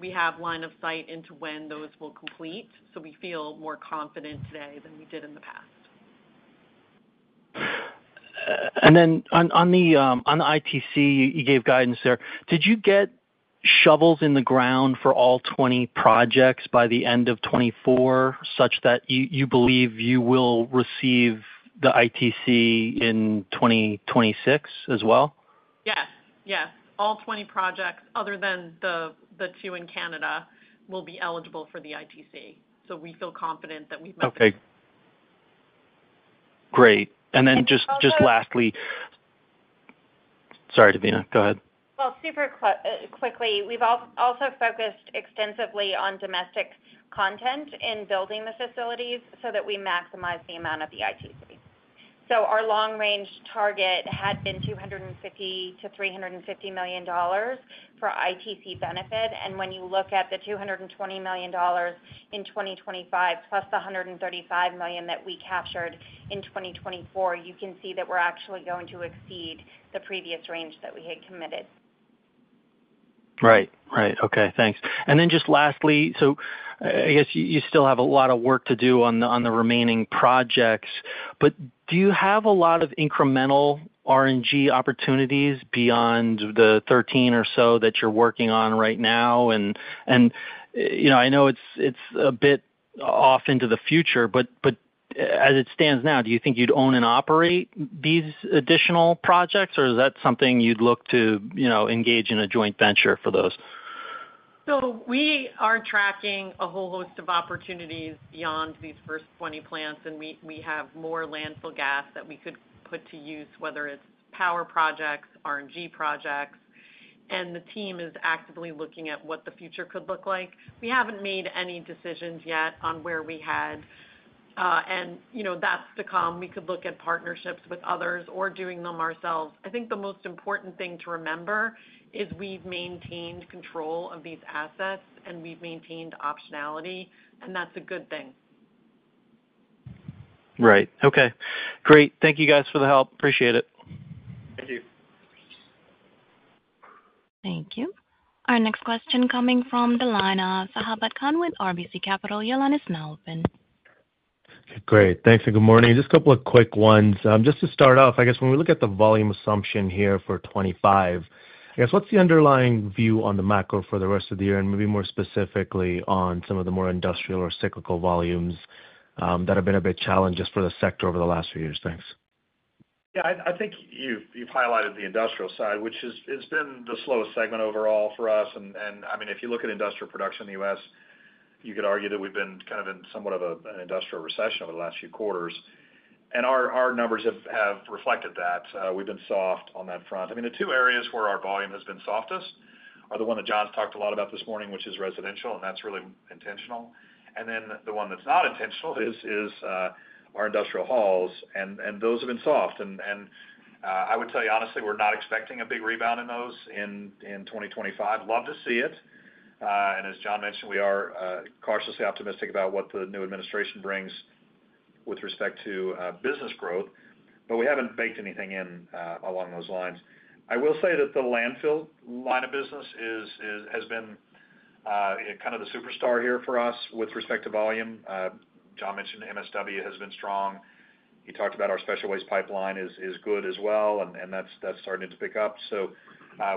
we have line of sight into when those will complete. So we feel more confident today than we did in the past. Then on the ITC, you gave guidance there. Did you get shovels in the ground for all 20 projects by the end of 2024 such that you believe you will receive the ITC in 2026 as well? Yes. Yes. All 20 projects, other than the two in Canada, will be eligible for the ITC. So we feel confident that we've met the. Okay. Great. And then just lastly. Sorry, Devina. Go ahead. Super quickly, we've also focused extensively on domestic content in building the facilities so that we maximize the amount of the ITC. Our long-range target had been $250-$350 million for ITC benefit. When you look at the $220 million in 2025 plus the $135 million that we captured in 2024, you can see that we're actually going to exceed the previous range that we had committed. Right. Right. Okay. Thanks. And then just lastly, so I guess you still have a lot of work to do on the remaining projects, but do you have a lot of incremental RNG opportunities beyond the 13 or so that you're working on right now? And I know it's a bit off into the future, but as it stands now, do you think you'd own and operate these additional projects, or is that something you'd look to engage in a joint venture for those? So we are tracking a whole host of opportunities beyond these first 20 plants, and we have more landfill gas that we could put to use, whether it's power projects, RNG projects, and the team is actively looking at what the future could look like. We haven't made any decisions yet on where we're headed, and that's to come. We could look at partnerships with others or doing them ourselves. I think the most important thing to remember is we've maintained control of these assets, and we've maintained optionality, and that's a good thing. Right. Okay. Great. Thank you, guys, for the help. Appreciate it. Thank you. Thank you. Our next question coming from the line of Sabahat Khan with RBC Capital. Your line is now open. Great. Thanks and good morning. Just a couple of quick ones. Just to start off, I guess when we look at the volume assumption here for 2025, I guess what's the underlying view on the macro for the rest of the year and maybe more specifically on some of the more industrial or cyclical volumes that have been a bit challenged just for the sector over the last few years? Thanks. Yeah. I think you've highlighted the industrial side, which has been the slowest segment overall for us. And I mean, if you look at industrial production in the U.S., you could argue that we've been kind of in somewhat of an industrial recession over the last few quarters. And our numbers have reflected that. We've been soft on that front. I mean, the two areas where our volume has been softest are the one that John's talked a lot about this morning, which is residential, and that's really intentional. And then the one that's not intentional is our industrial hauls, and those have been soft. And I would tell you, honestly, we're not expecting a big rebound in those in 2025. Love to see it. As John mentioned, we are cautiously optimistic about what the new administration brings with respect to business growth, but we haven't baked anything in along those lines. I will say that the landfill line of business has been kind of the superstar here for us with respect to volume. John mentioned MSW has been strong. He talked about our special waste pipeline is good as well, and that's starting to pick up. So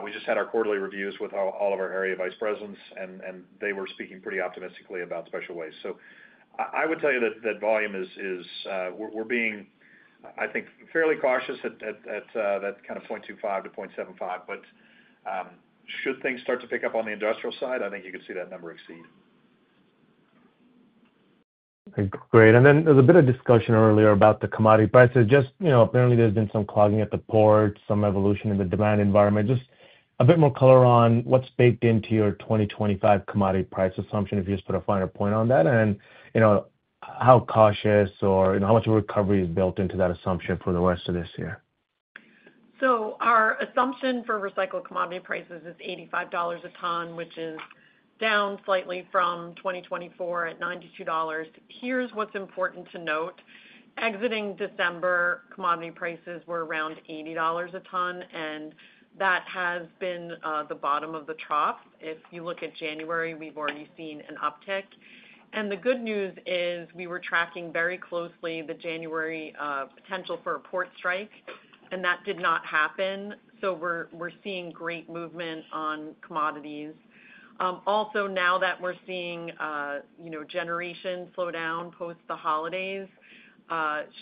we just had our quarterly reviews with all of our area vice presidents, and they were speaking pretty optimistically about special waste. So I would tell you that volume, we're being, I think, fairly cautious at that kind of 0.25-0.75. But should things start to pick up on the industrial side, I think you could see that number exceed. Great. And then there was a bit of discussion earlier about the commodity prices. Just apparently, there's been some clogging at the port, some evolution in the demand environment. Just a bit more color on what's baked into your 2025 commodity price assumption, if you just put a finer point on that, and how cautious or how much of a recovery is built into that assumption for the rest of this year? So our assumption for recycled commodity prices is $85 a ton, which is down slightly from 2024 at $92. Here's what's important to note. Exiting December, commodity prices were around $80 a ton, and that has been the bottom of the trough. If you look at January, we've already seen an uptick. And the good news is we were tracking very closely the January potential for a port strike, and that did not happen. So we're seeing great movement on commodities. Also, now that we're seeing generation slow down post the holidays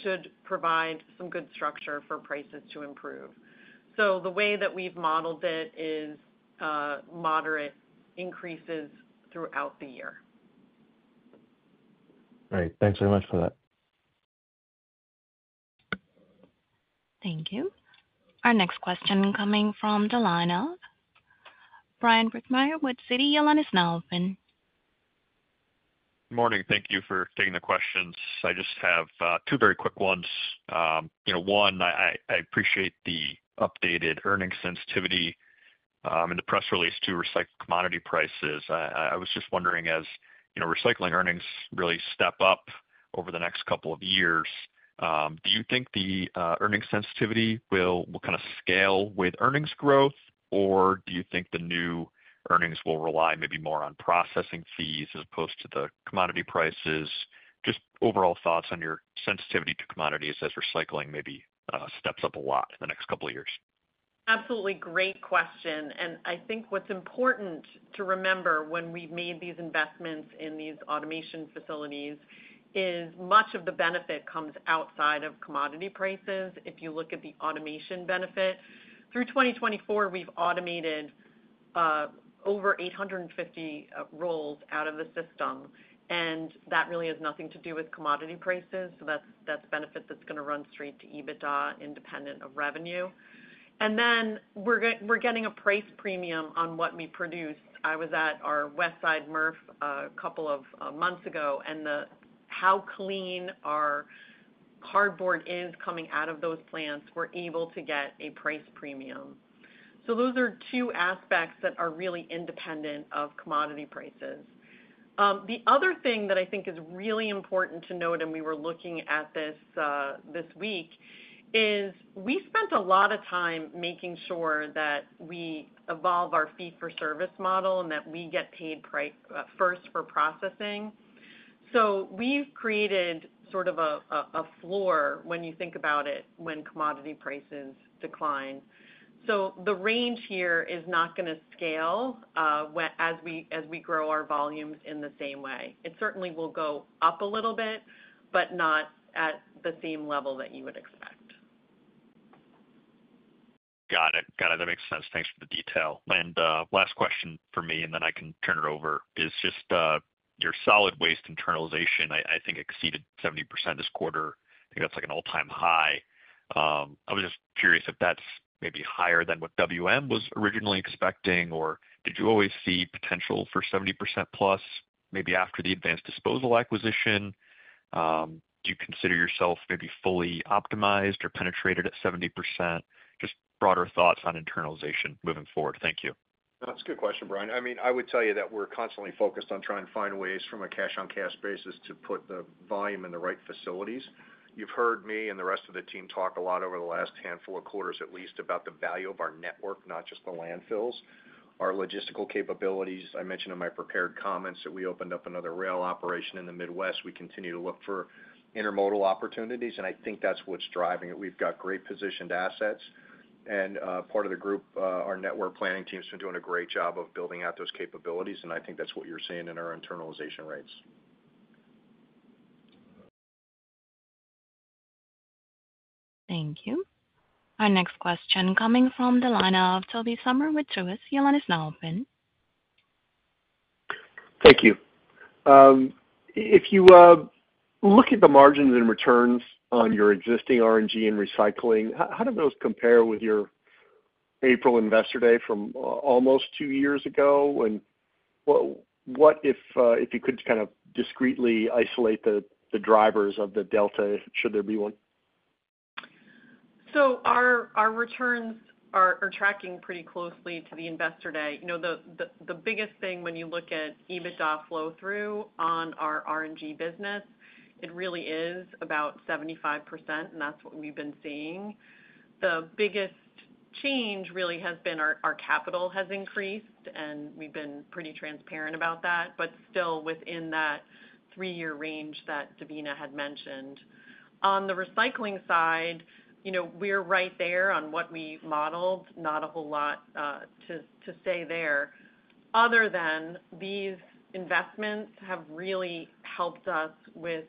should provide some good structure for prices to improve. So the way that we've modeled it is moderate increases throughout the year. Great. Thanks very much for that. Thank you. Our next question coming from the line of Bryan Burgmeier with Citi. Your line is now open. Good morning. Thank you for taking the questions. I just have two very quick ones. One, I appreciate the updated earnings sensitivity in the press release to recycled commodity prices. I was just wondering, as recycling earnings really step up over the next couple of years, do you think the earnings sensitivity will kind of scale with earnings growth, or do you think the new earnings will rely maybe more on processing fees as opposed to the commodity prices? Just overall thoughts on your sensitivity to commodities as recycling maybe steps up a lot in the next couple of years. Absolutely. Great question. I think what's important to remember when we've made these investments in these automation facilities is much of the benefit comes outside of commodity prices. If you look at the automation benefit, through 2024, we've automated over 850 rolls out of the system, and that really has nothing to do with commodity prices. So that's benefit that's going to run straight to EBITDA independent of revenue. Then we're getting a price premium on what we produce. I was at our Westside MRF a couple of months ago, and how clean our cardboard is coming out of those plants, we're able to get a price premium. So those are two aspects that are really independent of commodity prices. The other thing that I think is really important to note, and we were looking at this this week, is we spent a lot of time making sure that we evolve our fee-for-service model and that we get paid first for processing. So we've created sort of a floor, when you think about it, when commodity prices decline. So the range here is not going to scale as we grow our volumes in the same way. It certainly will go up a little bit, but not at the same level that you would expect. Got it. Got it. That makes sense. Thanks for the detail. And last question for me, and then I can turn it over, is just your solid waste internalization, I think, exceeded 70% this quarter. I think that's like an all-time high. I was just curious if that's maybe higher than what WM was originally expecting, or did you always see potential for 70% plus maybe after the Advanced Disposal acquisition? Do you consider yourself maybe fully optimized or penetrated at 70%? Just broader thoughts on internalization moving forward. Thank you. That's a good question, Brian. I mean, I would tell you that we're constantly focused on trying to find ways from a cash-on-cash basis to put the volume in the right facilities. You've heard me and the rest of the team talk a lot over the last handful of quarters, at least, about the value of our network, not just the landfills. Our logistical capabilities. I mentioned in my prepared comments that we opened up another rail operation in the Midwest. We continue to look for intermodal opportunities, and I think that's what's driving it. We've got great positioned assets. And part of the group, our network planning team, has been doing a great job of building out those capabilities, and I think that's what you're seeing in our internalization rates. Thank you. Our next question coming from the line of Tobey Sommer with Truist. Your line is now open. Thank you. If you look at the margins and returns on your existing RNG and recycling, how do those compare with your April Investor Day from almost two years ago? And what if you could kind of discreetly isolate the drivers of the delta, should there be one? Our returns are tracking pretty closely to the Investor Day. The biggest thing when you look at EBITDA flow-through on our RNG business, it really is about 75%, and that's what we've been seeing. The biggest change really has been our capital has increased, and we've been pretty transparent about that, but still within that three-year range that Devina had mentioned. On the recycling side, we're right there on what we modeled, not a whole lot to say there. Other than these investments have really helped us with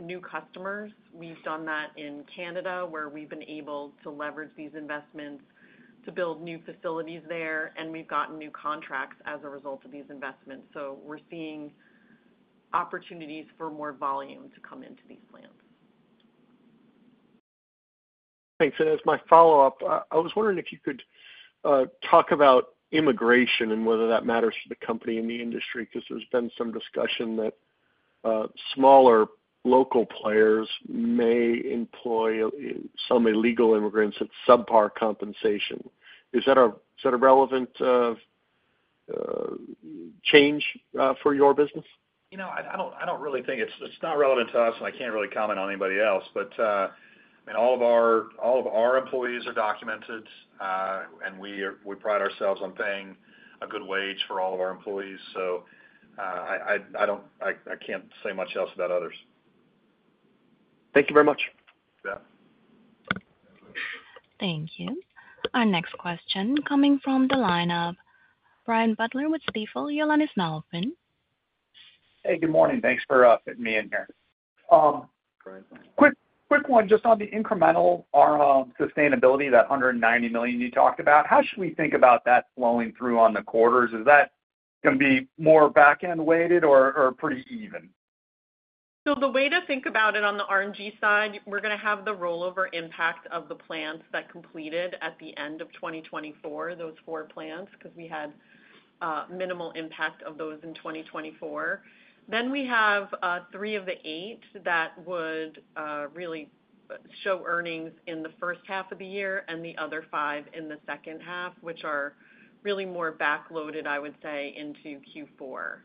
new customers. We've done that in Canada, where we've been able to leverage these investments to build new facilities there, and we've gotten new contracts as a result of these investments. We're seeing opportunities for more volume to come into these plants. Thanks. And as my follow-up, I was wondering if you could talk about immigration and whether that matters for the company and the industry because there's been some discussion that smaller local players may employ some illegal immigrants at subpar compensation. Is that a relevant change for your business? I don't really think it's not relevant to us, and I can't really comment on anybody else. But I mean, all of our employees are documented, and we pride ourselves on paying a good wage for all of our employees. So I can't say much else about others. Thank you very much. Yeah. Thank you. Our next question coming from the line of Brian Butler with Stifel. Your line is now open. Hey, good morning. Thanks for fitting me in here. Quick one, just on the incremental, our sustainability, that $190 million you talked about. How should we think about that flowing through on the quarters? Is that going to be more back-end weighted or pretty even? So the way to think about it on the RNG side, we're going to have the rollover impact of the plants that completed at the end of 2024, those four plants, because we had minimal impact of those in 2024. Then we have three of the eight that would really show earnings in the first half of the year and the other five in the second half, which are really more backloaded, I would say, into Q4.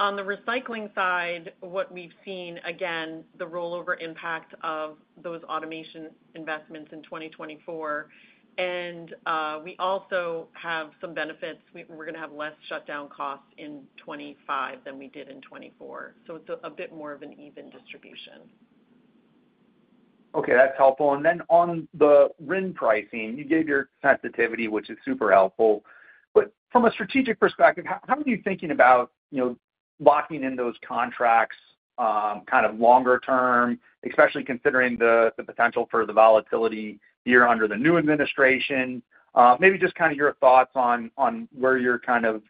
On the recycling side, what we've seen, again, the rollover impact of those automation investments in 2024. And we also have some benefits. We're going to have less shutdown costs in 2025 than we did in 2024. So it's a bit more of an even distribution. Okay. That's helpful. And then on the RIN pricing, you gave your sensitivity, which is super helpful. But from a strategic perspective, how are you thinking about locking in those contracts kind of longer term, especially considering the potential for the volatility here under the new administration? Maybe just kind of your thoughts on where you're kind of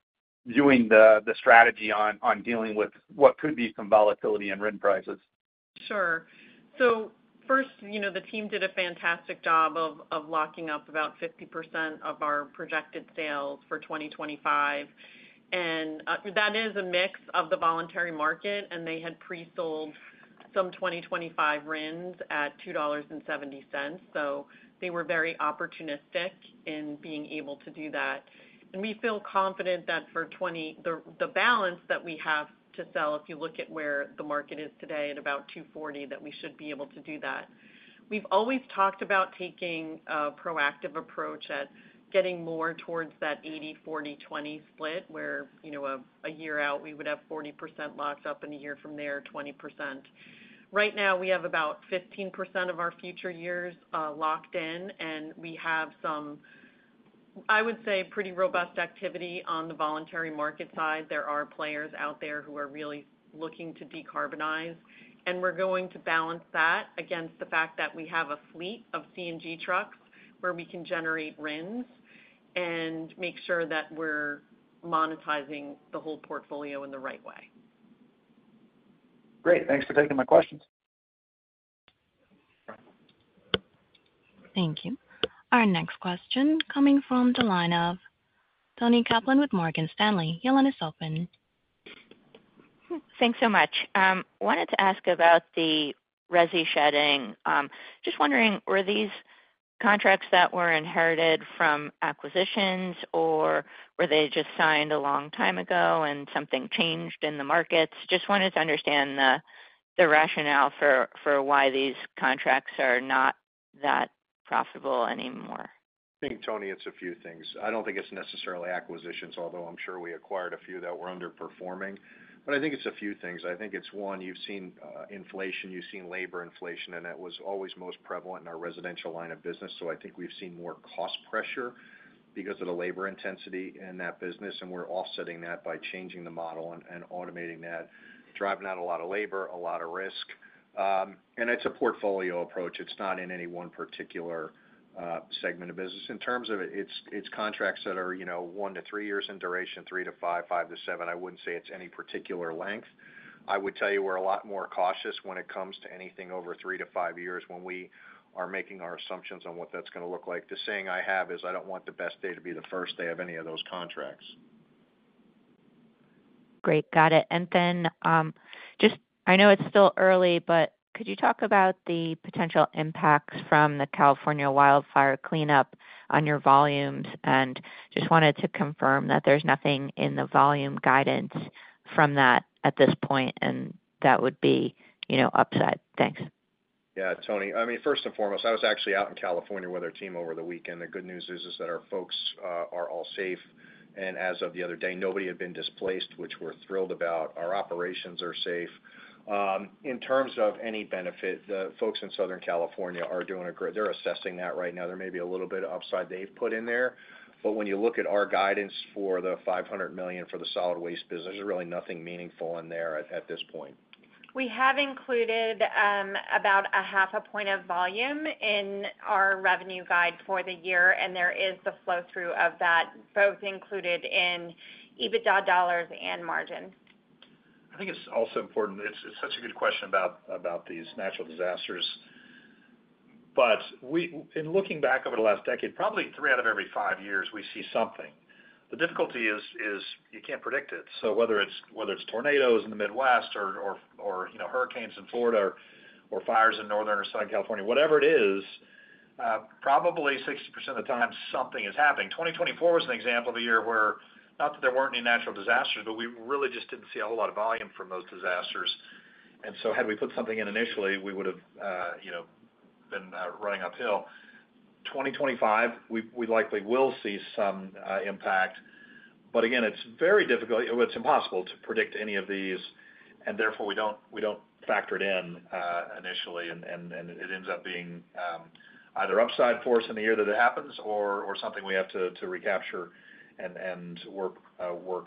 viewing the strategy on dealing with what could be some volatility in RIN prices. Sure. So first, the team did a fantastic job of locking up about 50% of our projected sales for 2025. And that is a mix of the voluntary market, and they had pre-sold some 2025 RINs at $2.70. So they were very opportunistic in being able to do that. And we feel confident that for the balance that we have to sell, if you look at where the market is today at about 240, that we should be able to do that. We've always talked about taking a proactive approach at getting more towards that 80/40/20 split, where a year out, we would have 40% locked up and a year from there, 20%. Right now, we have about 15% of our future years locked in, and we have some, I would say, pretty robust activity on the voluntary market side. There are players out there who are really looking to decarbonize, and we're going to balance that against the fact that we have a fleet of CNG trucks where we can generate RINs and make sure that we're monetizing the whole portfolio in the right way. Great. Thanks for taking my questions. Thank you. Our next question coming from the line of Toni Kaplan with Morgan Stanley. Your line is open. Thanks so much. I wanted to ask about the resi shedding. Just wondering, were these contracts that were inherited from acquisitions, or were they just signed a long time ago and something changed in the markets? Just wanted to understand the rationale for why these contracts are not that profitable anymore. I think, Toni, it's a few things. I don't think it's necessarily acquisitions, although I'm sure we acquired a few that were underperforming. But I think it's a few things. I think it's, one, you've seen inflation, you've seen labor inflation, and that was always most prevalent in our residential line of business. So I think we've seen more cost pressure because of the labor intensity in that business, and we're offsetting that by changing the model and automating that, driving out a lot of labor, a lot of risk. And it's a portfolio approach. It's not in any one particular segment of business. In terms of it, it's contracts that are one to three years in duration, three to five, five to seven. I wouldn't say it's any particular length. I would tell you we're a lot more cautious when it comes to anything over three to five years when we are making our assumptions on what that's going to look like. The saying I have is, "I don't want the best day to be the first day of any of those contracts. Great. Got it. And then just, I know it's still early, but could you talk about the potential impact from the California wildfire cleanup on your volumes? And just wanted to confirm that there's nothing in the volume guidance from that at this point, and that would be upside. Thanks. Yeah, Tony. I mean, first and foremost, I was actually out in California with our team over the weekend. The good news is that our folks are all safe. And as of the other day, nobody had been displaced, which we're thrilled about. Our operations are safe. In terms of any benefit, the folks in Southern California are doing great. They're assessing that right now. There may be a little bit of upside they've put in there. But when you look at our guidance for the $500 million for the solid waste business, there's really nothing meaningful in there at this point. We have included about 0.5 point of volume in our revenue guide for the year, and there is the flow-through of that both included in EBITDA dollars and margin. I think it's also important, it's such a good question about these natural disasters. But in looking back over the last decade, probably three out of every five years, we see something. The difficulty is you can't predict it. So whether it's tornadoes in the Midwest or hurricanes in Florida or fires in northern or southern California, whatever it is, probably 60% of the time something is happening. 2024 was an example of a year where not that there weren't any natural disasters, but we really just didn't see a whole lot of volume from those disasters. And so had we put something in initially, we would have been running uphill. 2025, we likely will see some impact. But again, it's very difficult, it's impossible to predict any of these, and therefore we don't factor it in initially, and it ends up being either upside force in the year that it happens or something we have to recapture and work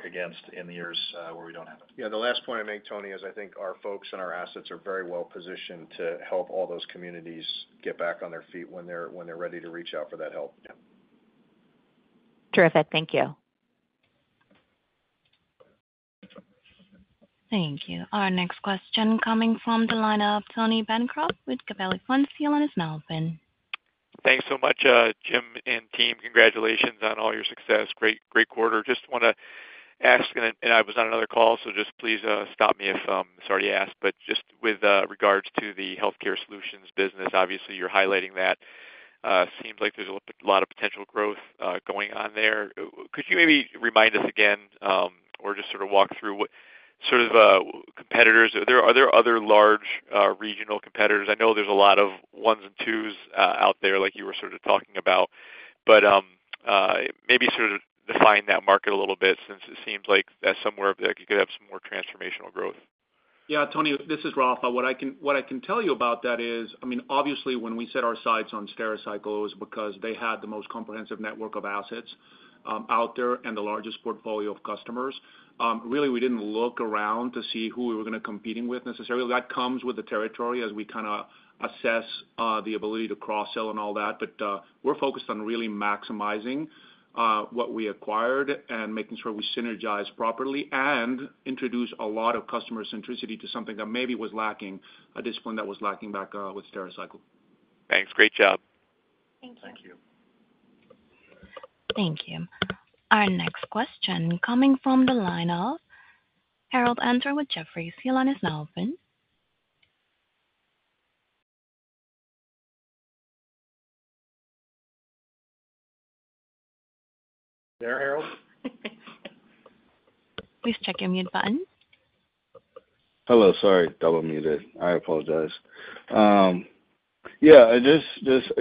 against in the years where we don't have it. Yeah, the last point I make, Toni, is I think our folks and our assets are very well positioned to help all those communities get back on their feet when they're ready to reach out for that help. Terrific. Thank you. Thank you. Our next question coming from the line of Tony Bancroft with Gabelli Funds. Your line is now open. Thanks so much, Jim and team. Congratulations on all your success. Great quarter. Just want to ask, and I was on another call, so just please stop me if it's already asked, but just with regards to the healthcare solutions business, obviously you're highlighting that. It seems like there's a lot of potential growth going on there. Could you maybe remind us again or just sort of walk through what sort of competitors, are there other large regional competitors? I know there's a lot of ones and twos out there, like you were sort of talking about, but maybe sort of define that market a little bit since it seems like that's somewhere you could have some more transformational growth. Yeah, Tony, this is Rafa. What I can tell you about that is, I mean, obviously when we set our sights on Stericycle, it was because they had the most comprehensive network of assets out there and the largest portfolio of customers. Really, we didn't look around to see who we were going to compete with necessarily. That comes with the territory as we kind of assess the ability to cross-sell and all that. But we're focused on really maximizing what we acquired and making sure we synergize properly and introduce a lot of customer centricity to something that maybe was lacking, a discipline that was lacking back with Stericycle. Thanks. Great job. Thank you. Thank you. Thank you. Our next question coming from the line of Harold Antor with Jefferies. Your line is now open. There, Harold? Please check your mute button. Hello. Sorry, double muted. I apologize. Yeah, just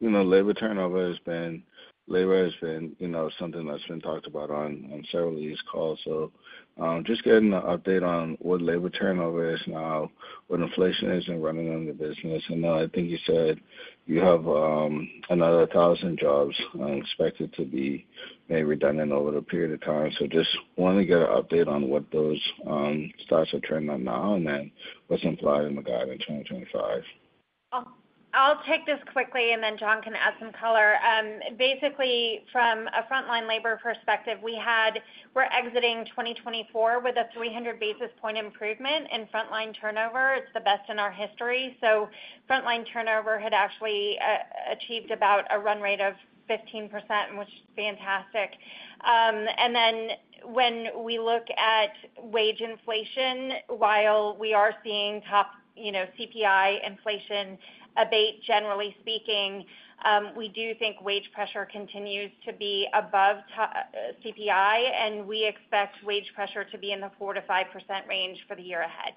labor turnover has been. Labor has been something that's been talked about on several of these calls, so just getting an update on what labor turnover is now, what inflation is running in the business, and I think you said you have another 1,000 jobs expected to be maybe redundant over the period of time, so just wanted to get an update on what those stats are now, and then what's implied in the guidance in 2025. I'll take this quickly, and then John can add some color. Basically, from a frontline labor perspective, we're exiting 2024 with a 300 basis point improvement in frontline turnover. It's the best in our history, so frontline turnover had actually achieved about a run rate of 15%, which is fantastic, and then when we look at wage inflation, while we are seeing top CPI inflation abate, generally speaking, we do think wage pressure continues to be above CPI, and we expect wage pressure to be in the 4%-5% range for the year ahead.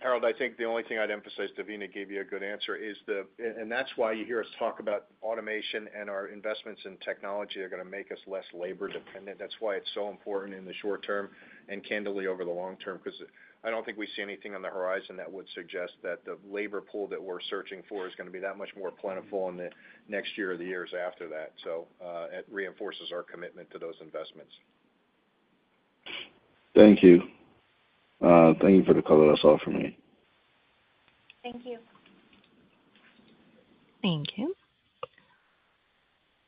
Harold, I think the only thing I'd emphasize, Devina gave you a good answer, is the and that's why you hear us talk about automation and our investments in technology are going to make us less labor dependent. That's why it's so important in the short term and candidly over the long term because I don't think we see anything on the horizon that would suggest that the labor pool that we're searching for is going to be that much more plentiful in the next year or the years after that. So it reinforces our commitment to those investments. Thank you. Thank you for the call that I saw from me. Thank you. Thank you.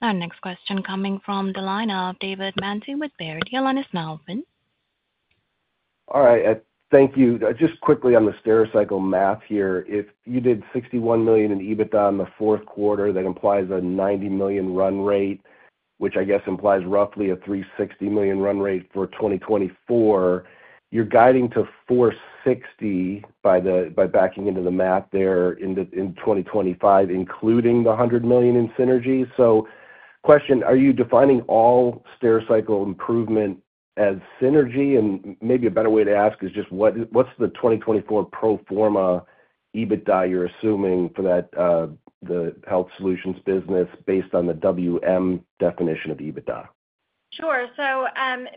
Our next question coming from the line of David Manthey with Baird. Your line is now open. All right. Thank you. Just quickly on the Stericycle math here. If you did $61 million in EBITDA in the fourth quarter, that implies a $90 million run rate, which I guess implies roughly a $360 million run rate for 2024. You're guiding to $460 million by backing into the math there in 2025, including the $100 million in synergy. So question, are you defining all Stericycle improvement as synergy? And maybe a better way to ask is just what's the 2024 pro forma EBITDA you're assuming for the health solutions business based on the WM definition of EBITDA? Sure. So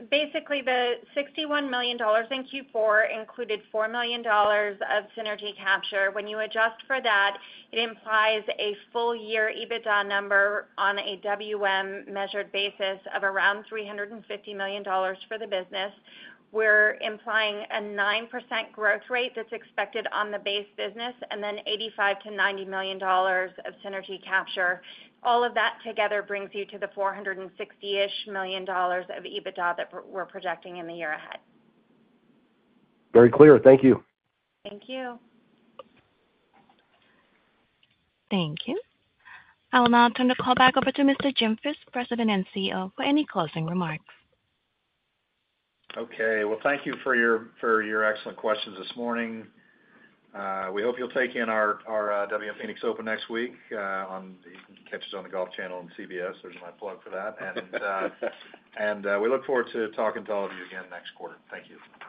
basically, the $61 million in Q4 included $4 million of synergy capture. When you adjust for that, it implies a full year EBITDA number on a WM measured basis of around $350 million for the business. We're implying a 9% growth rate that's expected on the base business and then $85-$90 million of synergy capture. All of that together brings you to the $460-ish million of EBITDA that we're projecting in the year ahead. Very clear. Thank you. Thank you. Thank you. I'll now turn the call back over to Mr. Jim Fish, President and CEO, for any closing remarks. Okay, well, thank you for your excellent questions this morning. We hope you'll take in our WM Phoenix Open next week. You can catch us on the Golf Channel and CBS. There's my plug for that, and we look forward to talking to all of you again next quarter. Thank you.